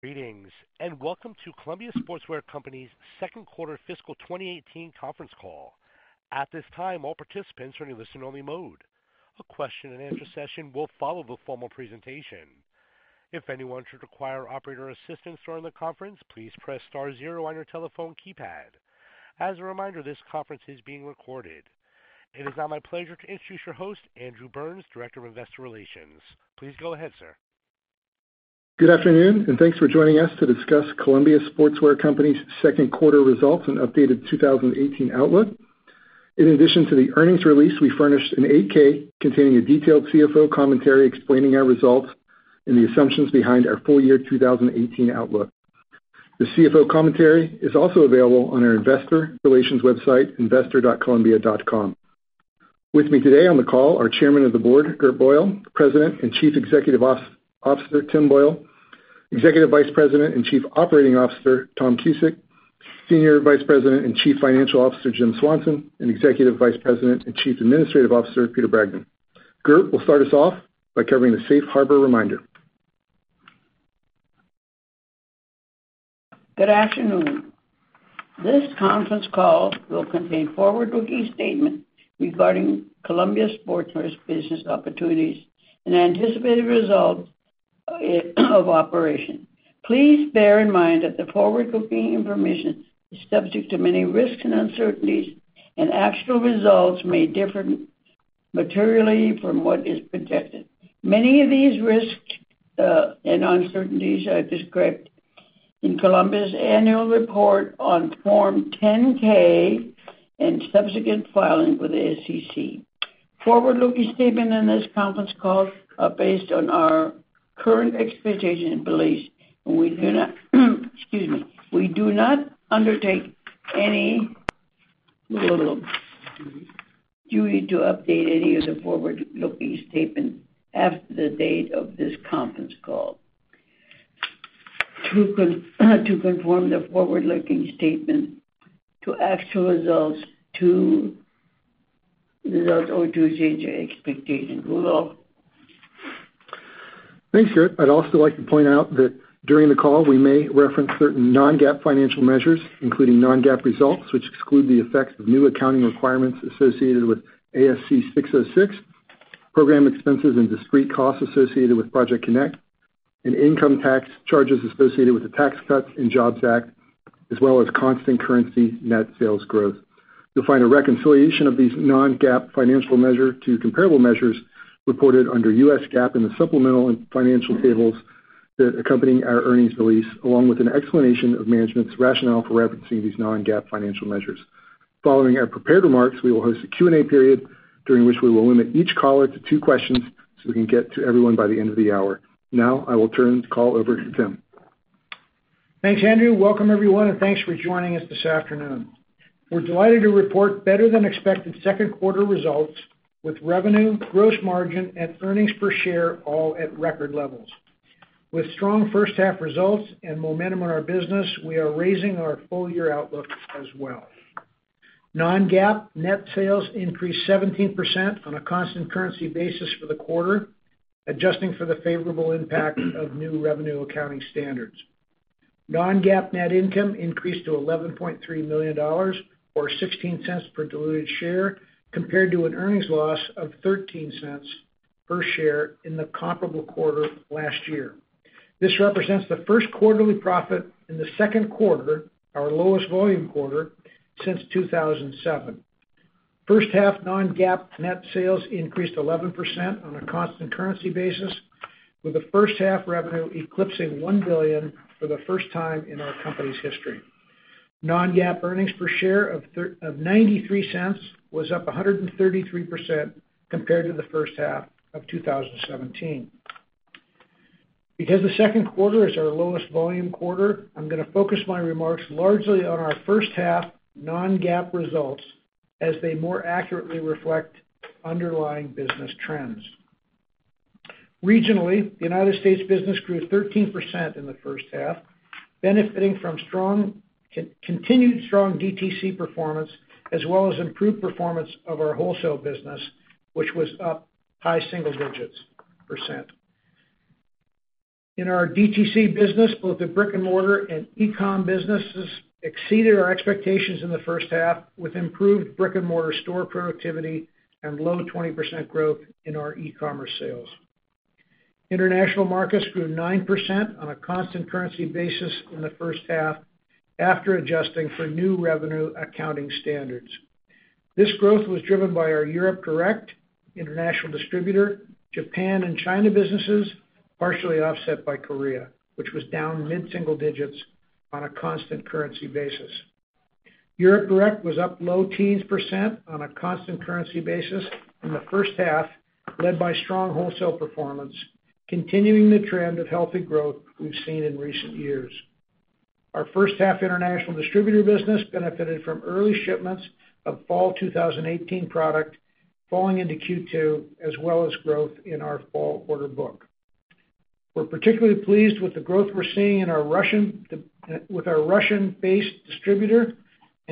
Greetings, and welcome to Columbia Sportswear Company's second quarter fiscal 2018 conference call. At this time, all participants are in listen-only mode. A question and answer session will follow the formal presentation. If anyone should require operator assistance during the conference, please press star zero on your telephone keypad. As a reminder, this conference is being recorded. It is now my pleasure to introduce your host, Andrew Burns, Director of Investor Relations. Please go ahead, sir. Good afternoon, and thanks for joining us to discuss Columbia Sportswear Company's second quarter results and updated 2018 outlook. In addition to the earnings release, we furnished an 8-K containing a detailed CFO commentary explaining our results and the assumptions behind our full year 2018 outlook. The CFO commentary is also available on our investor relations website, investor.columbia.com. With me today on the call are Chairman of the Board, Gert Boyle, President and Chief Executive Officer, Tim Boyle, Executive Vice President and Chief Operating Officer, Tom Cusick, Senior Vice President and Chief Financial Officer, Jim Swanson, and Executive Vice President and Chief Administrative Officer, Peter Bragdon. Gert will start us off by covering the safe harbor reminder. Good afternoon. This conference call will contain forward-looking statements regarding Columbia Sportswear's business opportunities and anticipated results of operation. Please bear in mind that the forward-looking information is subject to many risks and uncertainties, and actual results may differ materially from what is projected. Many of these risks and uncertainties are described in Columbia's annual report on Form 10-K and subsequent filings with the SEC. Forward-looking statements on this conference call are based on our current expectations and beliefs, and we do not, excuse me. We do not undertake any duty to update any of the forward-looking statements after the date of this conference call to conform the forward-looking statement to actual results or to change our expectations. Thanks, Gert. I'd also like to point out that during the call, we may reference certain non-GAAP financial measures, including non-GAAP results, which exclude the effects of new accounting requirements associated with ASC 606, program expenses and discrete costs associated with Project Connect, and income tax charges associated with the Tax Cuts and Jobs Act, as well as constant currency net sales growth. You'll find a reconciliation of these non-GAAP financial measure to comparable measures reported under US GAAP in the supplemental and financial tables that accompany our earnings release, along with an explanation of management's rationale for referencing these non-GAAP financial measures. Following our prepared remarks, we will host a Q&A period during which we will limit each caller to two questions so we can get to everyone by the end of the hour. I will turn the call over to Tim. Thanks, Andrew. Welcome everyone, thanks for joining us this afternoon. We're delighted to report better than expected second quarter results with revenue, gross margin and earnings per share all at record levels. With strong first half results and momentum in our business, we are raising our full year outlook as well. Non-GAAP net sales increased 17% on a constant currency basis for the quarter, adjusting for the favorable impact of new revenue accounting standards. Non-GAAP net income increased to $11.3 million, or $0.16 per diluted share, compared to an earnings loss of $0.13 per share in the comparable quarter last year. This represents the first quarterly profit in the second quarter, our lowest volume quarter, since 2007. First half non-GAAP net sales increased 11% on a constant currency basis, with the first half revenue eclipsing $1 billion for the first time in our company's history. Non-GAAP earnings per share of $0.93 was up 133% compared to the first half of 2017. Because the second quarter is our lowest volume quarter, I'm going to focus my remarks largely on our first half non-GAAP results, as they more accurately reflect underlying business trends. Regionally, the U.S. business grew 13% in the first half, benefiting from continued strong DTC performance, as well as improved performance of our wholesale business, which was up high single digits %. In our DTC business, both the brick and mortar and e-com businesses exceeded our expectations in the first half, with improved brick and mortar store productivity and low 20% growth in our e-commerce sales. International markets grew 9% on a constant currency basis in the first half after adjusting for new revenue accounting standards. This growth was driven by our Europe direct international distributor, Japan and China businesses, partially offset by Korea, which was down mid-single digits on a constant currency basis. Europe direct was up low teens % on a constant currency basis in the first half, led by strong wholesale performance, continuing the trend of healthy growth we've seen in recent years. Our first half international distributor business benefited from early shipments of fall 2018 product falling into Q2, as well as growth in our fall order book. We're particularly pleased with the growth we're seeing with our Russian-based distributor,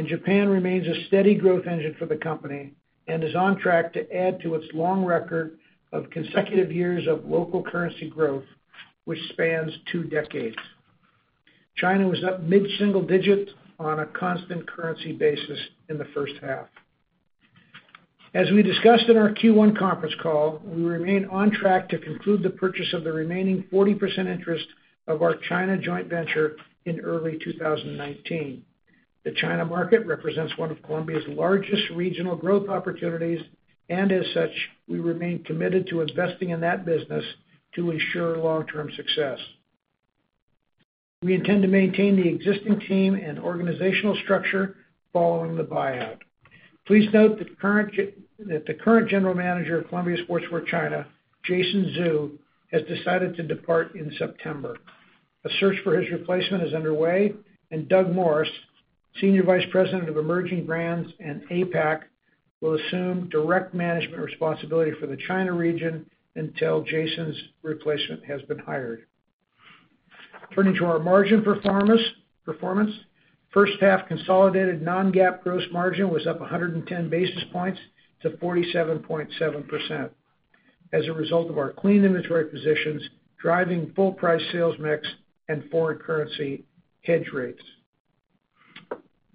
Japan remains a steady growth engine for the company and is on track to add to its long record of consecutive years of local currency growth, which spans two decades. China was up mid-single digit on a constant currency basis in the first half. As we discussed in our Q1 conference call, we remain on track to conclude the purchase of the remaining 40% interest of our China joint venture in early 2019. The China market represents one of Columbia's largest regional growth opportunities, as such, we remain committed to investing in that business to ensure long-term success. We intend to maintain the existing team and organizational structure following the buyout. Please note that the current General Manager of Columbia Sportswear China, Jason Zhu, has decided to depart in September. A search for his replacement is underway, Doug Morse, Senior Vice President of Emerging Brands and APAC, will assume direct management responsibility for the China region until Jason's replacement has been hired. Turning to our margin performance. First half consolidated non-GAAP gross margin was up 110 basis points to 47.7% as a result of our clean inventory positions, driving full price sales mix, and foreign currency hedge rates.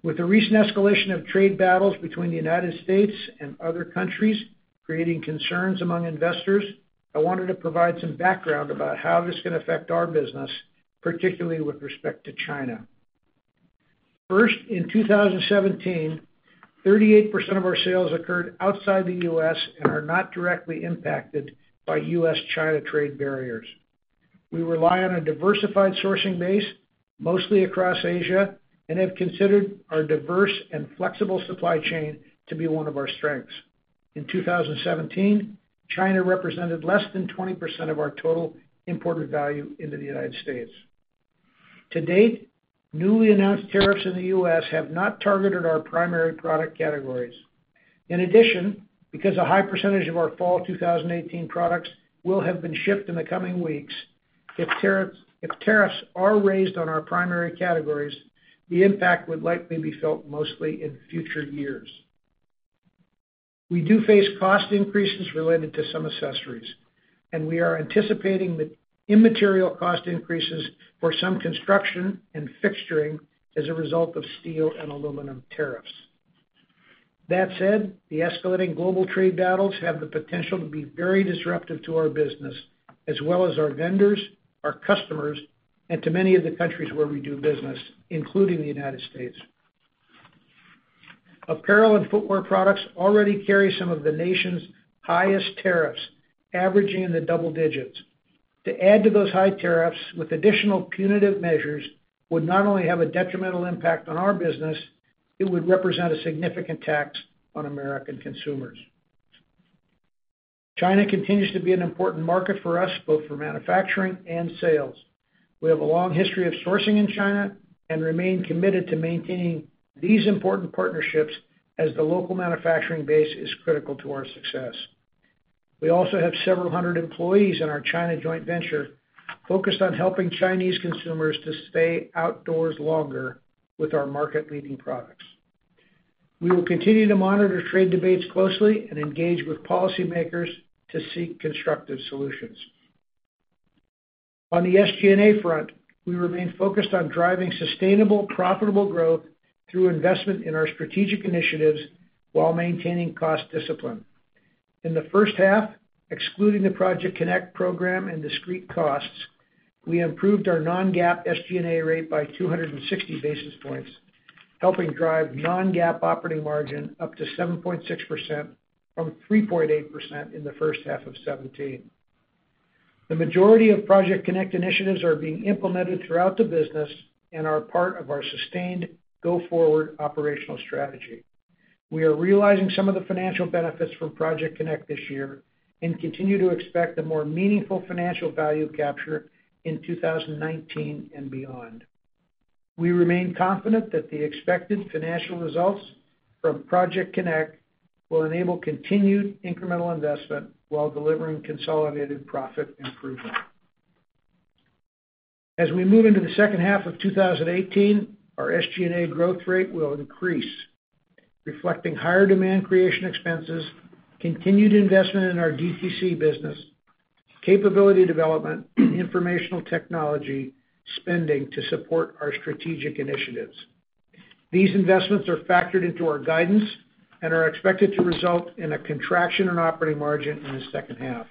With the recent escalation of trade battles between the U.S. and other countries creating concerns among investors, I wanted to provide some background about how this can affect our business, particularly with respect to China. First, in 2017, 38% of our sales occurred outside the U.S. and are not directly impacted by U.S.-China trade barriers. We rely on a diversified sourcing base, mostly across Asia, and have considered our diverse and flexible supply chain to be one of our strengths. In 2017, China represented less than 20% of our total imported value into the U.S. To date, newly announced tariffs in the U.S. have not targeted our primary product categories. In addition, because a high percentage of our fall 2018 products will have been shipped in the coming weeks, if tariffs are raised on our primary categories, the impact would likely be felt mostly in future years. We do face cost increases related to some accessories, and we are anticipating immaterial cost increases for some construction and fixturing as a result of steel and aluminum tariffs. That said, the escalating global trade battles have the potential to be very disruptive to our business, as well as our vendors, our customers, and to many of the countries where we do business, including the U.S. Apparel and footwear products already carry some of the nation's highest tariffs, averaging in the double digits. To add to those high tariffs with additional punitive measures would not only have a detrimental impact on our business, it would represent a significant tax on American consumers. China continues to be an important market for us, both for manufacturing and sales. We have a long history of sourcing in China and remain committed to maintaining these important partnerships as the local manufacturing base is critical to our success. We also have several hundred employees in our China joint venture focused on helping Chinese consumers to stay outdoors longer with our market-leading products. We will continue to monitor trade debates closely and engage with policymakers to seek constructive solutions. On the SG&A front, we remain focused on driving sustainable, profitable growth through investment in our strategic initiatives while maintaining cost discipline. In the first half, excluding the Project Connect program and discrete costs, we improved our non-GAAP SG&A rate by 260 basis points, helping drive non-GAAP operating margin up to 7.6% from 3.8% in the first half of 2017. The majority of Project Connect initiatives are being implemented throughout the business and are part of our sustained go-forward operational strategy. We are realizing some of the financial benefits from Project Connect this year and continue to expect a more meaningful financial value capture in 2019 and beyond. We remain confident that the expected financial results from Project Connect will enable continued incremental investment while delivering consolidated profit improvement. As we move into the second half of 2018, our SG&A growth rate will increase, reflecting higher demand creation expenses, continued investment in our DTC business, capability development, informational technology spending to support our strategic initiatives. These investments are factored into our guidance and are expected to result in a contraction in operating margin in the second half.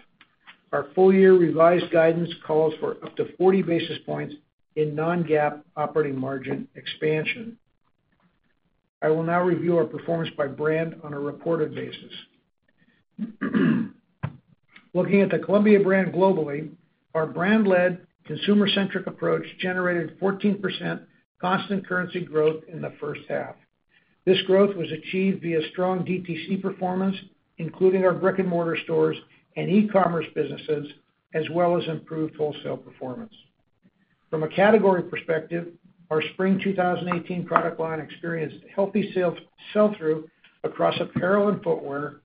Our full-year revised guidance calls for up to 40 basis points in non-GAAP operating margin expansion. I will now review our performance by brand on a reported basis. Looking at the Columbia brand globally, our brand-led, consumer-centric approach generated 14% constant currency growth in the first half. This growth was achieved via strong DTC performance, including our brick-and-mortar stores and e-commerce businesses, as well as improved wholesale performance. From a category perspective, our spring 2018 product line experienced healthy sell-through across apparel and footwear.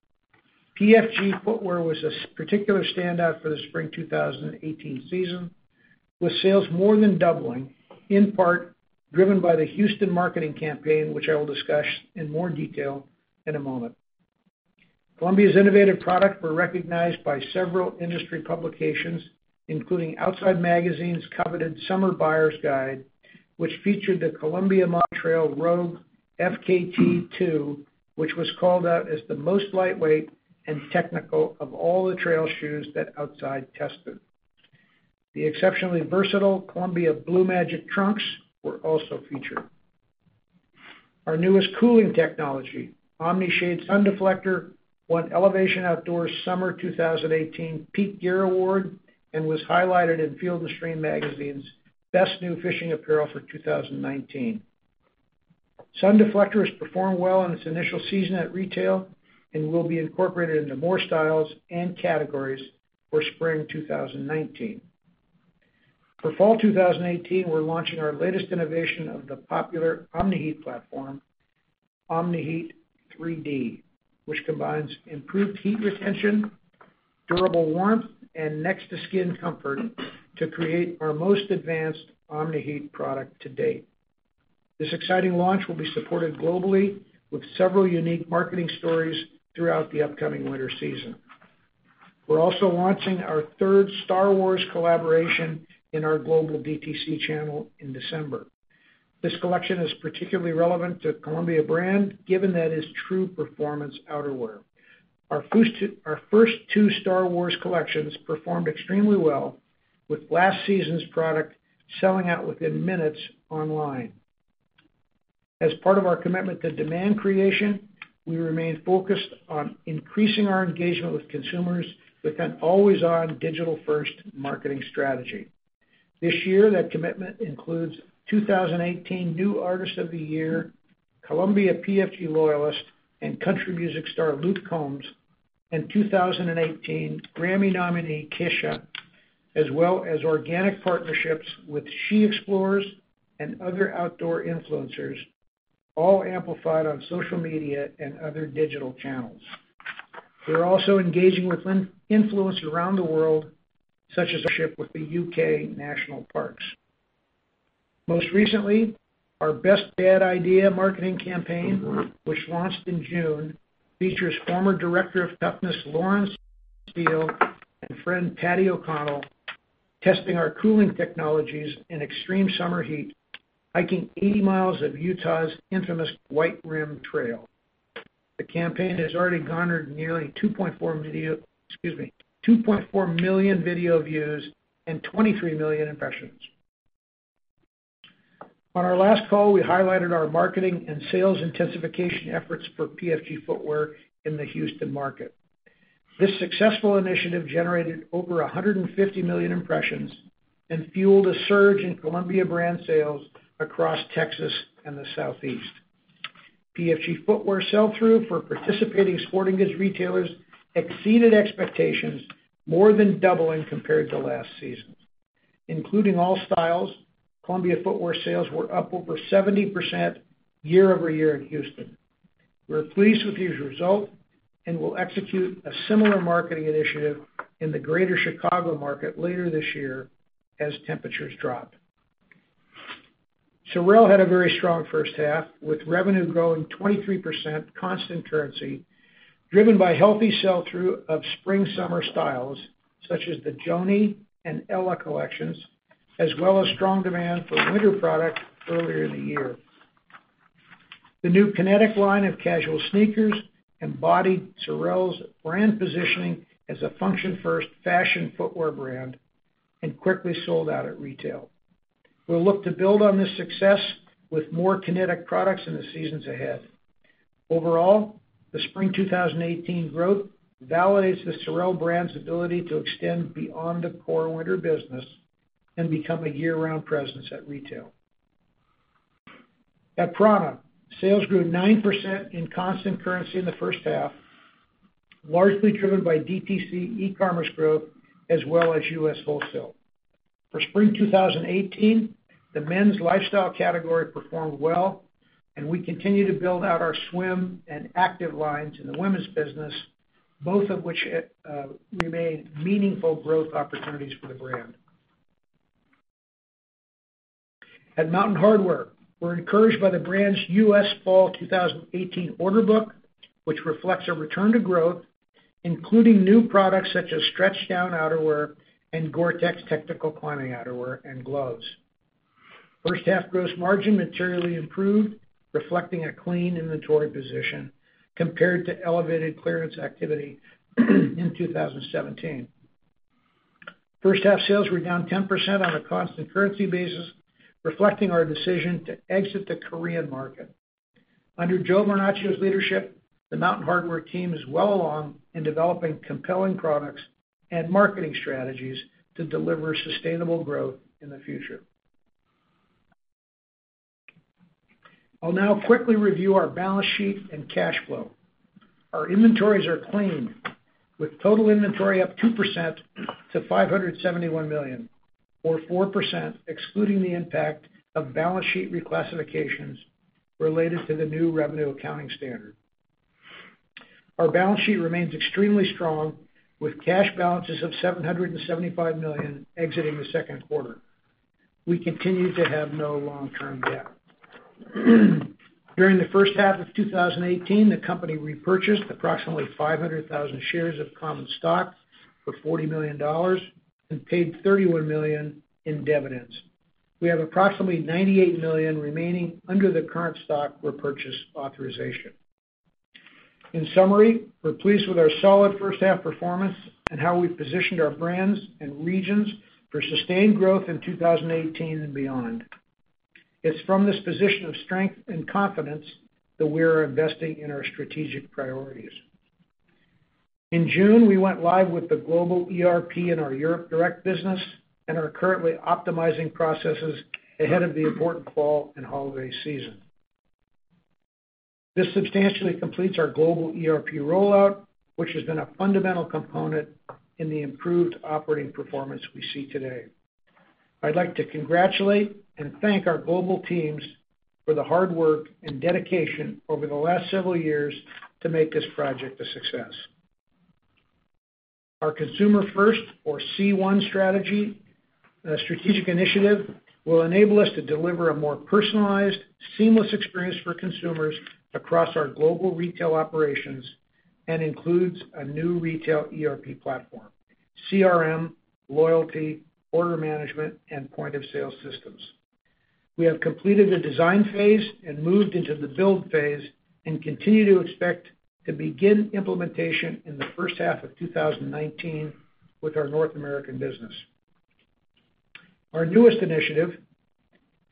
PFG footwear was a particular standout for the spring 2018 season, with sales more than doubling, in part driven by the Houston marketing campaign, which I will discuss in more detail in a moment. Columbia's innovative product were recognized by several industry publications, including Outside Magazine's coveted Summer Buyer's Guide, which featured the Columbia Montrail Rogue FKT2, which was called out as the most lightweight and technical of all the trail shoes that Outside tested. The exceptionally versatile Columbia Blue Magic Trunks were also featured. Our newest cooling technology, Omni-Shade Sun Deflector, won Elevation Outdoors' Summer 2018 Peak Gear Award and was highlighted in Field & Stream Magazine's Best New Fishing Apparel for 2019. Sun Deflector has performed well in its initial season at retail and will be incorporated into more styles and categories for spring 2019. For fall 2018, we're launching our latest innovation of the popular Omni-Heat platform, Omni-Heat 3D, which combines improved heat retention, durable warmth, and next-to-skin comfort to create our most advanced Omni-Heat product to date. This exciting launch will be supported globally with several unique marketing stories throughout the upcoming winter season. We're also launching our third Star Wars collaboration in our global DTC channel in December. This collection is particularly relevant to Columbia brand, given that it is true performance outerwear. Our first two Star Wars collections performed extremely well, with last season's product selling out within minutes online. As part of our commitment to demand creation, we remain focused on increasing our engagement with consumers with an always-on digital-first marketing strategy. This year, that commitment includes 2018 New Artist of the Year, Columbia PFG loyalist, and country music star Luke Combs, and 2018 Grammy nominee, Kesha, as well as organic partnerships with She Explores and other outdoor influencers, all amplified on social media and other digital channels. We're also engaging with influencers around the world, such as a ship with the U.K. National Parks. Most recently, our Best Bad Idea marketing campaign, which launched in June, features former Director of Toughness, Lauren Steele, and friend Patty O'Connell, testing our cooling technologies in extreme summer heat, hiking 80 miles of Utah's infamous White Rim Trail. The campaign has already garnered nearly 2.4 million video views and 23 million impressions. On our last call, we highlighted our marketing and sales intensification efforts for PFG footwear in the Houston market. This successful initiative generated over 150 million impressions and fueled a surge in Columbia brand sales across Texas and the Southeast. PFG footwear sell-through for participating sporting goods retailers exceeded expectations, more than doubling compared to last season. Including all styles, Columbia footwear sales were up over 70% year-over-year in Houston. We're pleased with these results and will execute a similar marketing initiative in the greater Chicago market later this year as temperatures drop. SOREL had a very strong first half, with revenue growing 23% constant currency, driven by healthy sell-through of spring/summer styles such as the Joanie and Ella collections, as well as strong demand for winter product earlier in the year. The new Kinetic line of casual sneakers embodied SOREL's brand positioning as a function-first fashion footwear brand and quickly sold out at retail. We'll look to build on this success with more Kinetic products in the seasons ahead. Overall, the spring 2018 growth validates the SOREL brand's ability to extend beyond the core winter business and become a year-round presence at retail. At prAna, sales grew 9% in constant currency in the first half, largely driven by DTC e-commerce growth as well as U.S. wholesale. For spring 2018, the men's lifestyle category performed well, and we continue to build out our swim and active lines in the women's business, both of which remain meaningful growth opportunities for the brand. At Mountain Hardwear, we're encouraged by the brand's U.S. fall 2018 order book, which reflects a return to growth, including new products such as stretch down outerwear and Gore-Tex technical climbing outerwear and gloves. First half gross margin materially improved, reflecting a clean inventory position compared to elevated clearance activity in 2017. First half sales were down 10% on a constant currency basis, reflecting our decision to exit the Korean market. Under Joe Vernachio's leadership, the Mountain Hardwear team is well along in developing compelling products and marketing strategies to deliver sustainable growth in the future. I'll now quickly review our balance sheet and cash flow. Our inventories are clean, with total inventory up 2% to $571 million, or 4% excluding the impact of balance sheet reclassifications related to the new revenue accounting standard. Our balance sheet remains extremely strong, with cash balances of $775 million exiting the second quarter. We continue to have no long-term debt. During the first half of 2018, the company repurchased approximately 500,000 shares of common stock for $40 million and paid $31 million in dividends. We have approximately $98 million remaining under the current stock repurchase authorization. In summary, we're pleased with our solid first-half performance and how we positioned our brands and regions for sustained growth in 2018 and beyond. It's from this position of strength and confidence that we are investing in our strategic priorities. In June, we went live with the global ERP in our Europe direct business and are currently optimizing processes ahead of the important fall and holiday season. This substantially completes our global ERP rollout, which has been a fundamental component in the improved operating performance we see today. I'd like to congratulate and thank our global teams for the hard work and dedication over the last several years to make this project a success. Our Consumer First, or C1 strategy, strategic initiative will enable us to deliver a more personalized, seamless experience for consumers across our global retail operations and includes a new retail ERP platform, CRM, loyalty, order management, and point-of-sale systems. We have completed the design phase and moved into the build phase and continue to expect to begin implementation in the first half of 2019 with our North American business. Our newest initiative,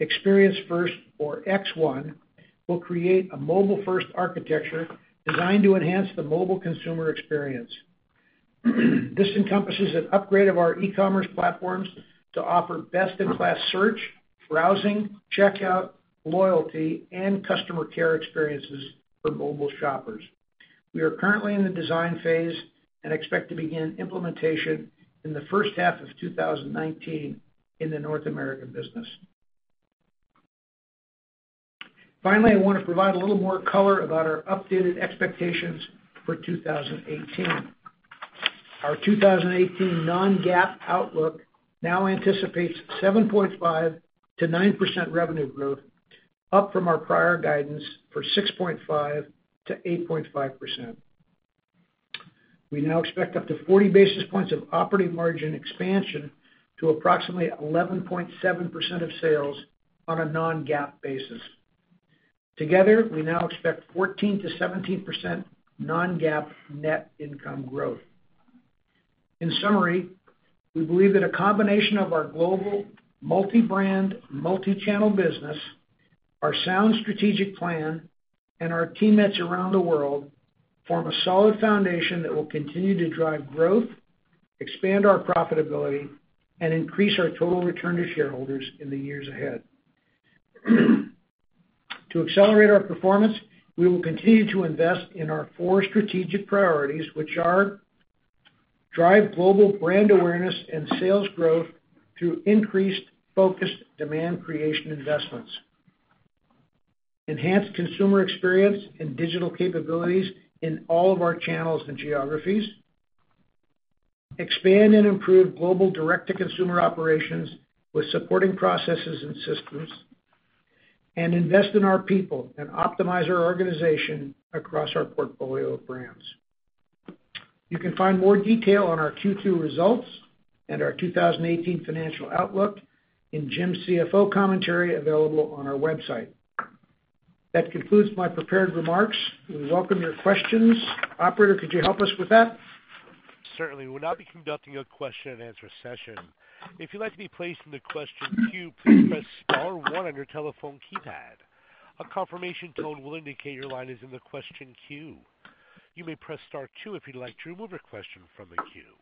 Experience First or X1, will create a mobile-first architecture designed to enhance the mobile consumer experience. This encompasses an upgrade of our e-commerce platforms to offer best-in-class search, browsing, checkout, loyalty, and customer care experiences for mobile shoppers. We are currently in the design phase and expect to begin implementation in the first half of 2019 in the North American business. Finally, I want to provide a little more color about our updated expectations for 2018. Our 2018 non-GAAP outlook now anticipates 7.5%-9% revenue growth, up from our prior guidance for 6.5%-8.5%. We now expect up to 40 basis points of operating margin expansion to approximately 11.7% of sales on a non-GAAP basis. Together, we now expect 14%-17% non-GAAP net income growth. In summary, we believe that a combination of our global multi-brand, multi-channel business, our sound strategic plan, and our teammates around the world form a solid foundation that will continue to drive growth, expand our profitability, and increase our total return to shareholders in the years ahead. To accelerate our performance, we will continue to invest in our four strategic priorities, which are: drive global brand awareness and sales growth through increased focused demand creation investments, enhance consumer experience and digital capabilities in all of our channels and geographies, expand and improve global direct-to-consumer operations with supporting processes and systems, and invest in our people and optimize our organization across our portfolio of brands. You can find more detail on our Q2 results and our 2018 financial outlook in Jim's CFO commentary available on our website. That concludes my prepared remarks. We welcome your questions. Operator, could you help us with that? Certainly. We'll now be conducting a question-and-answer session. If you'd like to be placed in the question queue, please press *1 on your telephone keypad. A confirmation tone will indicate your line is in the question queue. You may press *2 if you'd like to remove your question from the queue.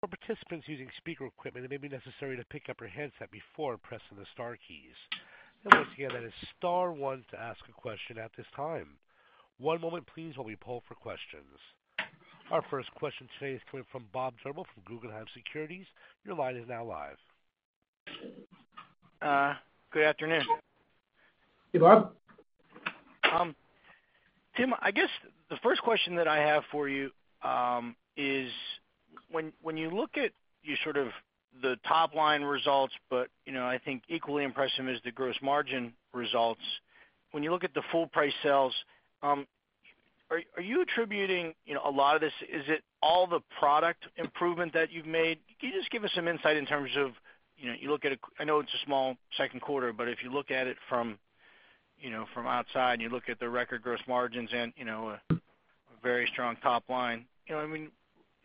For participants using speaker equipment, it may be necessary to pick up your handset before pressing the star keys. And once again, that is *1 to ask a question at this time. One moment please while we poll for questions. Our first question today is coming from Bob Drbul from Guggenheim Securities. Your line is now live. Good afternoon. Hey, Bob. Tim, I guess the first question that I have for you is when you look at the top-line results, but I think equally impressive is the gross margin results. When you look at the full price sales, are you attributing a lot of this— is it all the product improvement that you've made? Can you just give us some insight in terms of, I know it's a small second quarter, but if you look at it from outside and you look at the record gross margins and a very strong top line,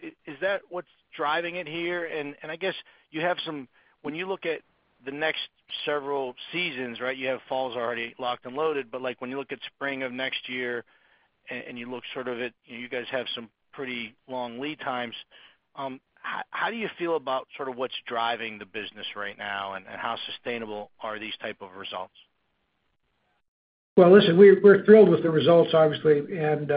is that what's driving it here? I guess when you look at the next several seasons. You have falls already locked and loaded, when you look at spring of next year and you guys have some pretty long lead times, how do you feel about what's driving the business right now and how sustainable are these type of results? Well, listen, we're thrilled with the results, obviously. There's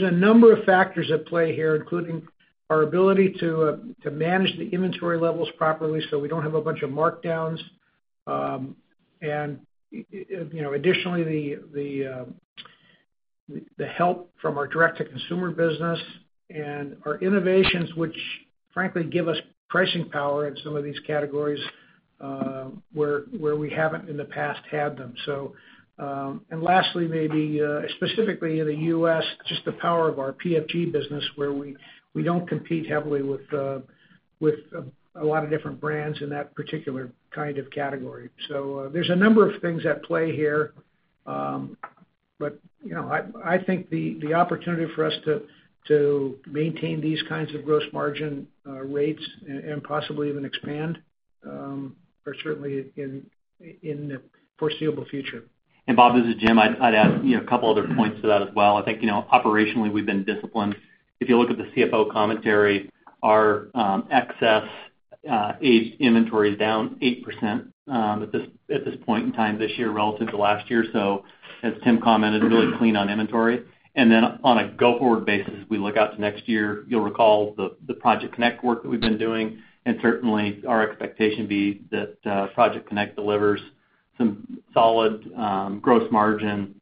a number of factors at play here, including our ability to manage the inventory levels properly so we don't have a bunch of markdowns. Additionally, the help from our direct-to-consumer business and our innovations, which frankly give us pricing power in some of these categories where we haven't in the past had them. Lastly, maybe specifically in the U.S., just the power of our PFG business where we don't compete heavily with a lot of different brands in that particular kind of category. There's a number of things at play here. I think the opportunity for us to maintain these kinds of gross margin rates and possibly even expand are certainly in the foreseeable future. Bob, this is Jim. I'd add a couple other points to that as well. I think, operationally, we've been disciplined. If you look at the CFO commentary, our excess aged inventory is down 8% at this point in time this year relative to last year. As Tim commented, really clean on inventory. On a go-forward basis, as we look out to next year, you'll recall the Project Connect work that we've been doing, and certainly our expectation be that Project Connect delivers some solid gross margin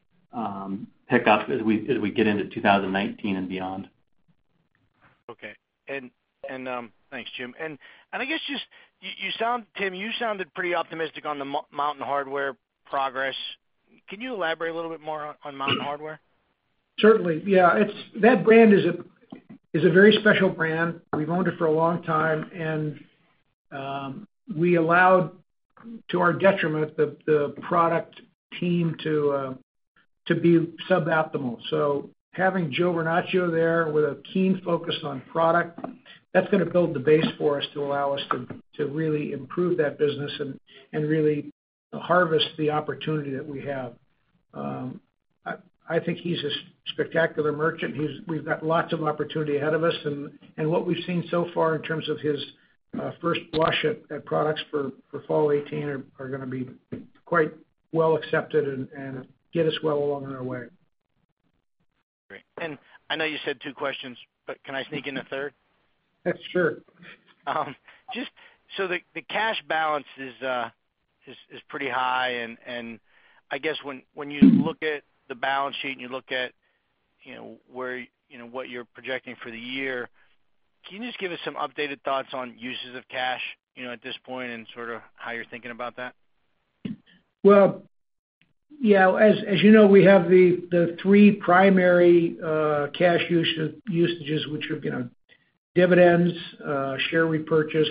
pickup as we get into 2019 and beyond. Okay. Thanks, Jim. I guess just, Tim, you sounded pretty optimistic on the Mountain Hardwear progress. Can you elaborate a little bit more on Mountain Hardwear? Certainly, yeah. That brand is a very special brand. We've owned it for a long time, and we allowed, to our detriment, the product team to be suboptimal. Having Joe Vernachio there with a keen focus on product, that's going to build the base for us to allow us to really improve that business and really harvest the opportunity that we have. I think he's a spectacular merchant. We've got lots of opportunity ahead of us, and what we've seen so far in terms of his first blush at products for fall 2018 are going to be quite well accepted and get us well along our way. Great. I know you said two questions, but can I sneak in a third? Sure. Just the cash balance is pretty high. I guess when you look at the balance sheet, you look at what you're projecting for the year, can you just give us some updated thoughts on uses of cash at this point and sort of how you're thinking about that? Well, yeah. As you know, we have the three primary cash usages, which are dividends, share repurchase,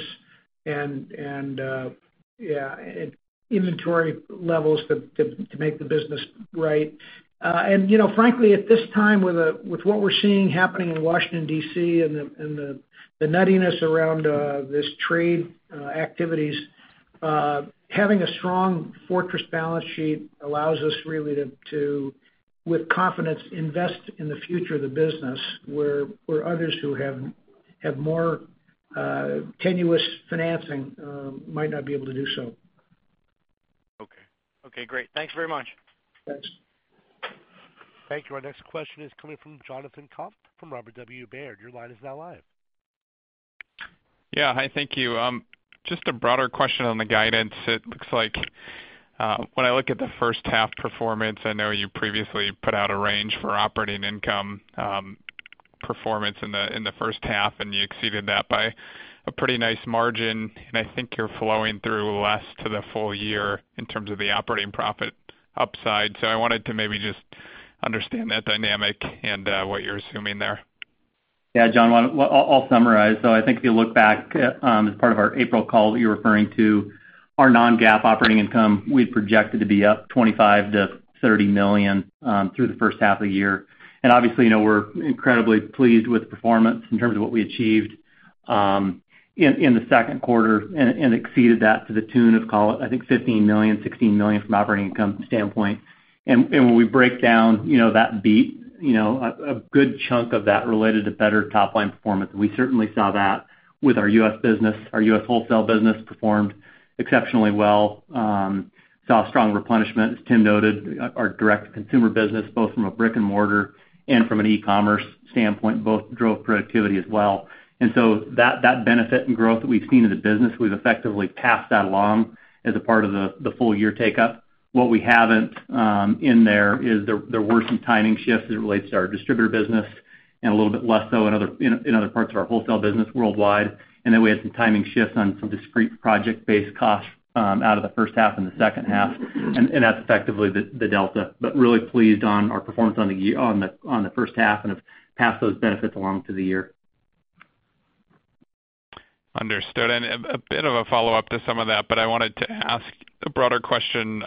and inventory levels to make the business right. Frankly, at this time, with what we're seeing happening in Washington, D.C., and the nuttiness around these trade activities, having a strong fortress balance sheet allows us really to, with confidence, invest in the future of the business where others who have more tenuous financing might not be able to do so. Okay. Okay, great. Thanks very much. Thanks. Thank you. Our next question is coming from Jonathan Komp from Robert W. Baird. Your line is now live. Yeah. Hi, thank you. Just a broader question on the guidance. It looks like when I look at the first half performance, I know you previously put out a range for operating income performance in the first half, and you exceeded that by a pretty nice margin. I think you're flowing through less to the full year in terms of the operating profit upside. I wanted to maybe just understand that dynamic and what you're assuming there. Yeah, John, I'll summarize. I think if you look back as part of our April call that you're referring to, our non-GAAP operating income, we had projected to be up $25 million-$30 million through the first half of the year. Obviously, we're incredibly pleased with the performance in terms of what we achieved in the second quarter and exceeded that to the tune of, call it, I think $15 million, $16 million from operating income standpoint. When we break down that beat, a good chunk of that related to better top-line performance. We certainly saw that with our U.S. business. Our U.S. wholesale business performed exceptionally well. Saw strong replenishment, as Tim noted. Our direct-to-consumer business, both from a brick and mortar and from an e-commerce standpoint, both drove productivity as well. That benefit and growth that we've seen in the business, we've effectively passed that along as a part of the full year take up. What we haven't in there is there were some timing shifts as it relates to our distributor business and a little bit less so in other parts of our wholesale business worldwide. We had some timing shifts on some discrete project-based costs out of the first half and the second half, that's effectively the delta. Really pleased on our performance on the first half and have passed those benefits along through the year. Understood. A bit of a follow-up to some of that, I wanted to ask a broader question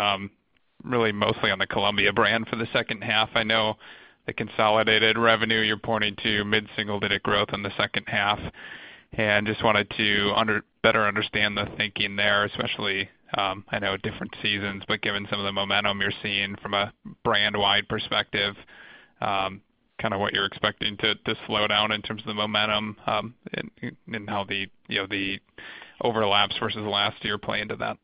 really mostly on the Columbia brand for the second half. I know the consolidated revenue, you're pointing to mid-single-digit growth in the second half. Just wanted to better understand the thinking there, especially, I know different seasons, given some of the momentum you're seeing from a brand-wide perspective, kind of what you're expecting to slow down in terms of the momentum and how the overlaps versus last year play into that.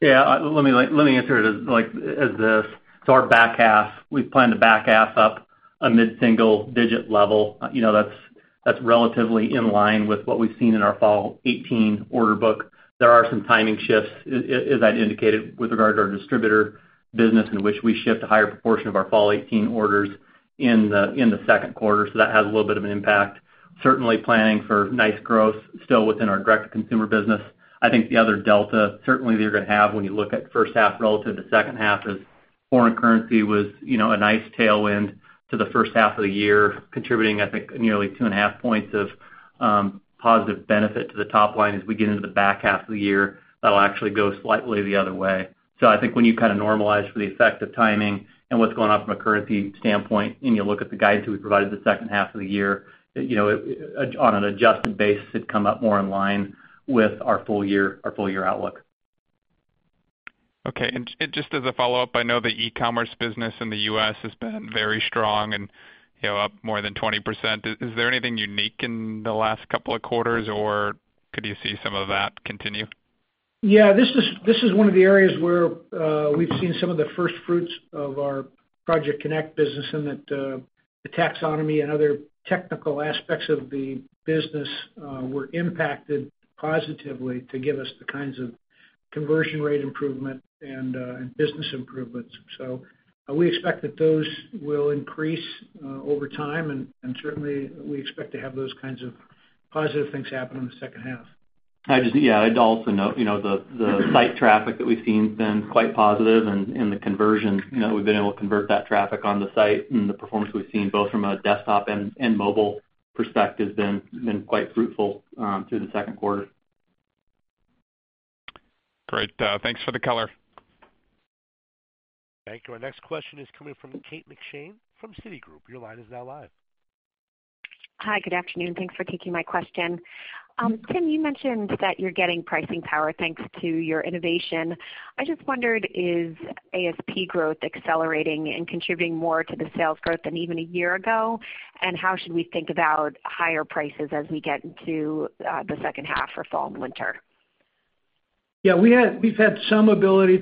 Yeah. Let me answer it as this. Our back half, we plan the back half up a mid-single-digit level. That is relatively in line with what we have seen in our fall 2018 order book. There are some timing shifts, as I had indicated with regard to our distributor business, in which we shift a higher proportion of our fall 2018 orders in the second quarter. That has a little bit of an impact. Certainly planning for nice growth still within our direct-to-consumer business. The other delta, certainly that you are going to have when you look at first half relative to second half is, foreign currency was a nice tailwind to the first half of the year, contributing, I think, nearly 2.5 points of positive benefit to the top line. As we get into the back half of the year, that will actually go slightly the other way. When you normalize for the effect of timing and what is going on from a currency standpoint, and you look at the guidance that we provided the second half of the year, on an adjusted basis, it would come up more in line with our full year outlook. Okay. Just as a follow-up, I know the e-commerce business in the U.S. has been very strong and up more than 20%. Is there anything unique in the last couple of quarters, or could you see some of that continue? Yeah. This is one of the areas where we have seen some of the first fruits of our Project Connect business, in that the taxonomy and other technical aspects of the business were impacted positively to give us the kinds of conversion rate improvement and business improvements. We expect that those will increase over time, and certainly, we expect to have those kinds of positive things happen in the second half. Yeah. I'd also note, the site traffic that we've seen has been quite positive and the conversion. We've been able to convert that traffic on the site, and the performance we've seen both from a desktop and mobile perspective has been quite fruitful through the second quarter. Great. Thanks for the color. Thank you. Our next question is coming from Kate McShane from Citigroup. Your line is now live. Hi. Good afternoon. Thanks for taking my question. Tim, you mentioned that you're getting pricing power thanks to your innovation. I just wondered, is ASP growth accelerating and contributing more to the sales growth than even a year ago? How should we think about higher prices as we get into the second half for fall and winter? Yeah. We've had some ability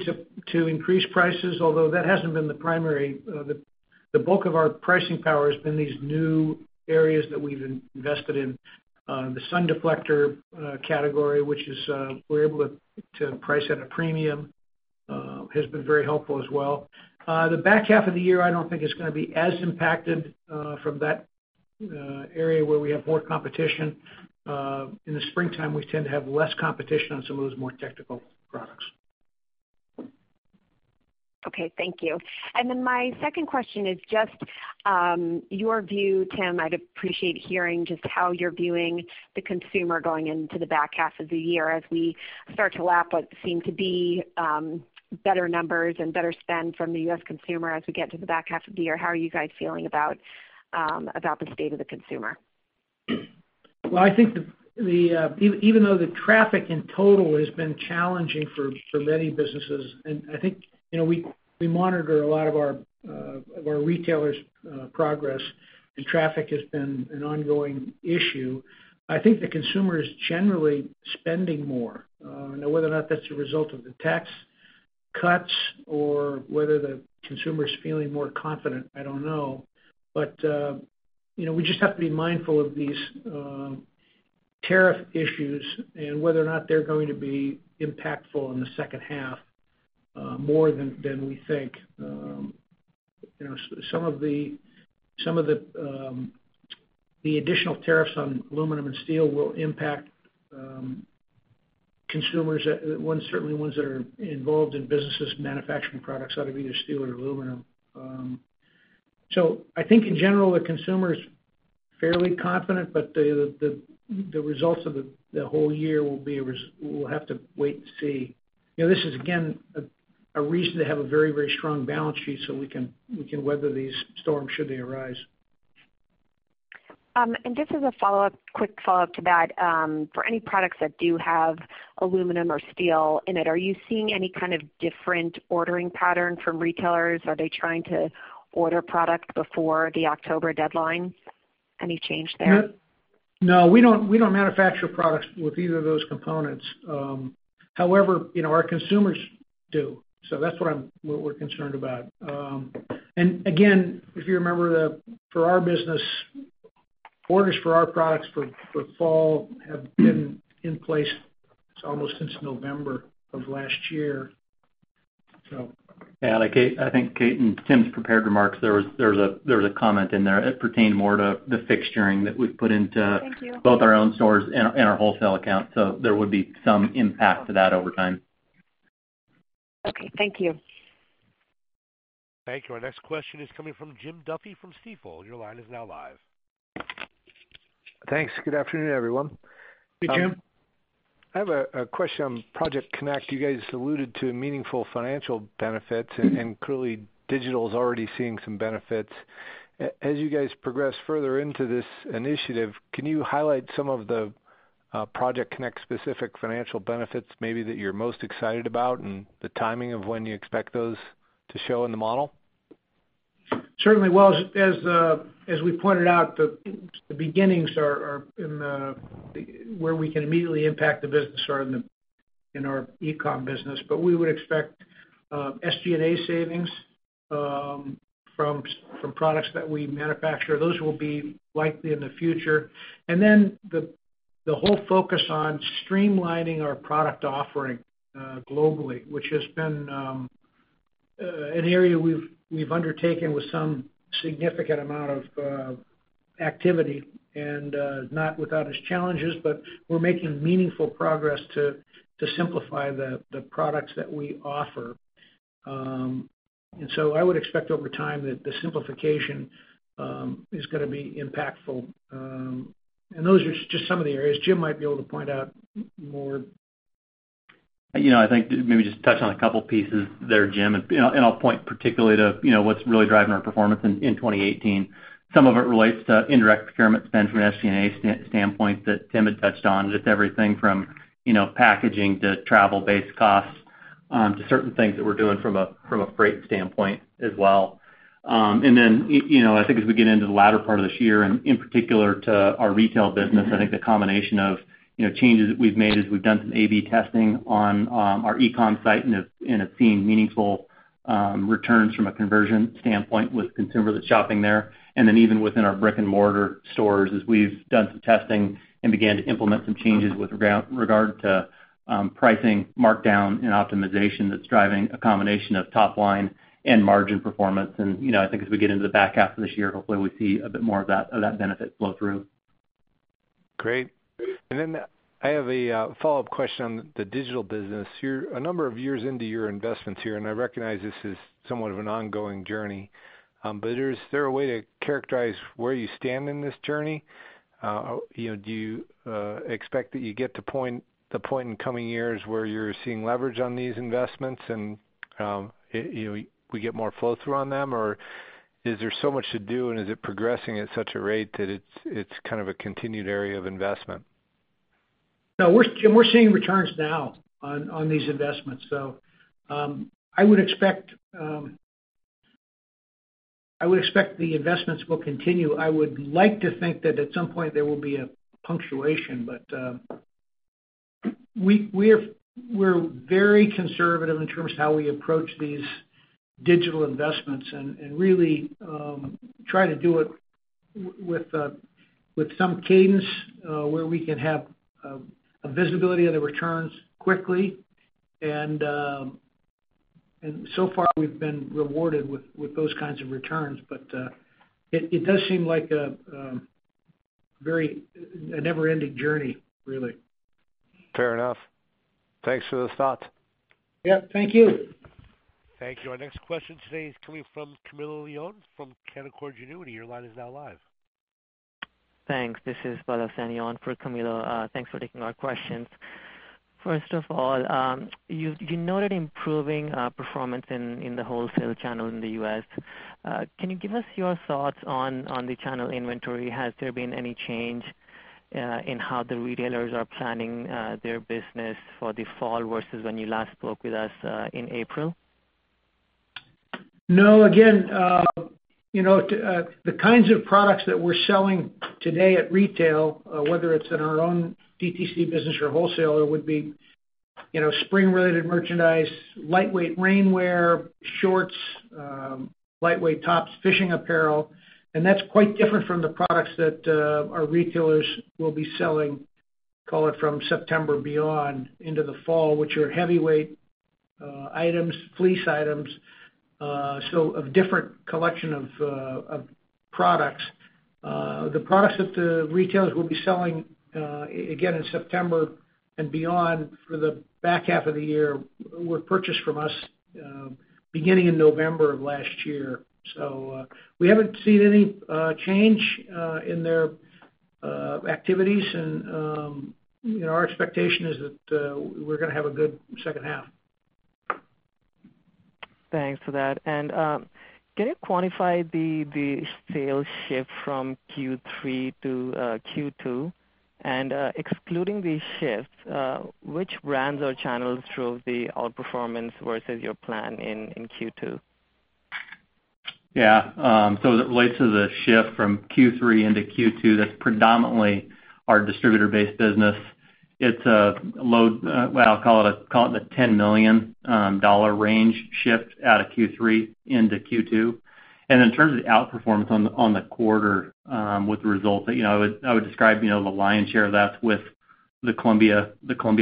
to increase prices, although that hasn't been the primary. The bulk of our pricing power has been these new areas that we've invested in. The Sun Deflector category, which we're able to price at a premium, has been very helpful as well. The back half of the year, I don't think it's going to be as impacted from that area where we have more competition. In the springtime, we tend to have less competition on some of those more technical products. Okay. Thank you. My second question is just your view, Tim. I'd appreciate hearing just how you're viewing the consumer going into the back half of the year, as we start to lap what seem to be better numbers and better spend from the U.S. consumer as we get to the back half of the year. How are you guys feeling about the state of the consumer? Well, I think even though the traffic in total has been challenging for many businesses, I think we monitor a lot of our retailers' progress, and traffic has been an ongoing issue. I think the consumer is generally spending more. Now, whether or not that's a result of the tax cuts or whether the consumer is feeling more confident, I don't know. We just have to be mindful of these tariff issues and whether or not they're going to be impactful in the second half more than we think. Some of the additional tariffs on aluminum and steel will impact consumers, certainly ones that are involved in businesses manufacturing products out of either steel or aluminum. I think in general, the consumer is fairly confident, but the results of the whole year, we'll have to wait to see. This is, again, a reason to have a very strong balance sheet so we can weather these storms should they arise. Just as a quick follow-up to that. For any products that do have aluminum or steel in it, are you seeing any kind of different ordering pattern from retailers? Are they trying to order product before the October deadline? Any change there? No. We don't manufacture products with either of those components. However, our consumers do. That's what we're concerned about. Again, if you remember, for our business, orders for our products for fall have been in place almost since November of last year. Yeah. I think Kate, in Tim's prepared remarks, there was a comment in there. It pertained more to the fixturing that we've put. Thank you both our own stores and our wholesale account. There would be some impact to that over time. Okay. Thank you. Thank you. Our next question is coming from Jim Duffy from Stifel. Your line is now live. Thanks. Good afternoon, everyone. Hey, Jim. I have a question on Project Connect. Clearly, digital's already seeing some benefits. As you guys progress further into this initiative, can you highlight some of the Project Connect specific financial benefits maybe that you're most excited about, and the timing of when you expect those to show in the model? Certainly. Well, as we pointed out, the beginnings where we can immediately impact the business are in our e-com business. We would expect SG&A savings from products that we manufacture. Those will be likely in the future. The whole focus on streamlining our product offering globally, which has been an area we've undertaken with some significant amount of activity, and not without its challenges, but we're making meaningful progress to simplify the products that we offer. So I would expect over time that the simplification is going to be impactful. Those are just some of the areas. Jim might be able to point out more. I think maybe just touch on a couple pieces there, Jim, and I'll point particularly to what's really driving our performance in 2018. Some of it relates to indirect procurement spend from an SG&A standpoint that Tim had touched on. Just everything from packaging to travel-based costs, to certain things that we're doing from a freight standpoint as well. I think as we get into the latter part of this year and in particular to our retail business, I think the combination of changes that we've made is we've done some AB testing on our e-com site, and it's seeing meaningful returns from a conversion standpoint with consumers shopping there. Even within our brick-and-mortar stores, as we've done some testing and began to implement some changes with regard to pricing, markdown, and optimization that's driving a combination of top line and margin performance. I think as we get into the back half of this year, hopefully we see a bit more of that benefit flow through. Great. I have a follow-up question on the digital business. You're a number of years into your investments here, and I recognize this is somewhat of an ongoing journey. Is there a way to characterize where you stand in this journey? Do you expect that you get to the point in coming years where you're seeing leverage on these investments and we get more flow-through on them? Is there so much to do, and is it progressing at such a rate that it's kind of a continued area of investment? No. Jim, we're seeing returns now on these investments. I would expect the investments will continue. I would like to think that at some point there will be a punctuation. We're very conservative in terms of how we approach these digital investments and really try to do it with some cadence, where we can have a visibility of the returns quickly. So far, we've been rewarded with those kinds of returns. It does seem like a never-ending journey, really. Fair enough. Thanks for those thoughts. Yeah. Thank you. Thank you. Our next question today is coming from Camilo Lyon from Canaccord Genuity. Your line is now live. Thanks. This is Balasanian for Camilo. Thanks for taking our questions. First of all, you noted improving performance in the wholesale channel in the U.S. Can you give us your thoughts on the channel inventory? Has there been any change in how the retailers are planning their business for the fall versus when you last spoke with us in April? No. Again, the kinds of products that we're selling today at retail, whether it's in our own DTC business or wholesale, it would be spring related merchandise, lightweight rainwear, shorts, lightweight tops, fishing apparel. That's quite different from the products that our retailers will be selling, call it from September beyond into the fall, which are heavyweight items, fleece items. A different collection of products. The products that the retailers will be selling, again in September and beyond for the back half of the year, were purchased from us beginning in November of last year. We haven't seen any change in their activities. Our expectation is that we're going to have a good second half. Thanks for that. Can you quantify the sales shift from Q3 to Q2 and excluding these shifts, which brands or channels drove the outperformance versus your plan in Q2? Yeah. As it relates to the shift from Q3 into Q2, that's predominantly our distributor-based business. It's a low, I'll call it the $10 million range shift out of Q3 into Q2. In terms of the outperformance on the quarter with the results, I would describe the lion's share of that with the Columbia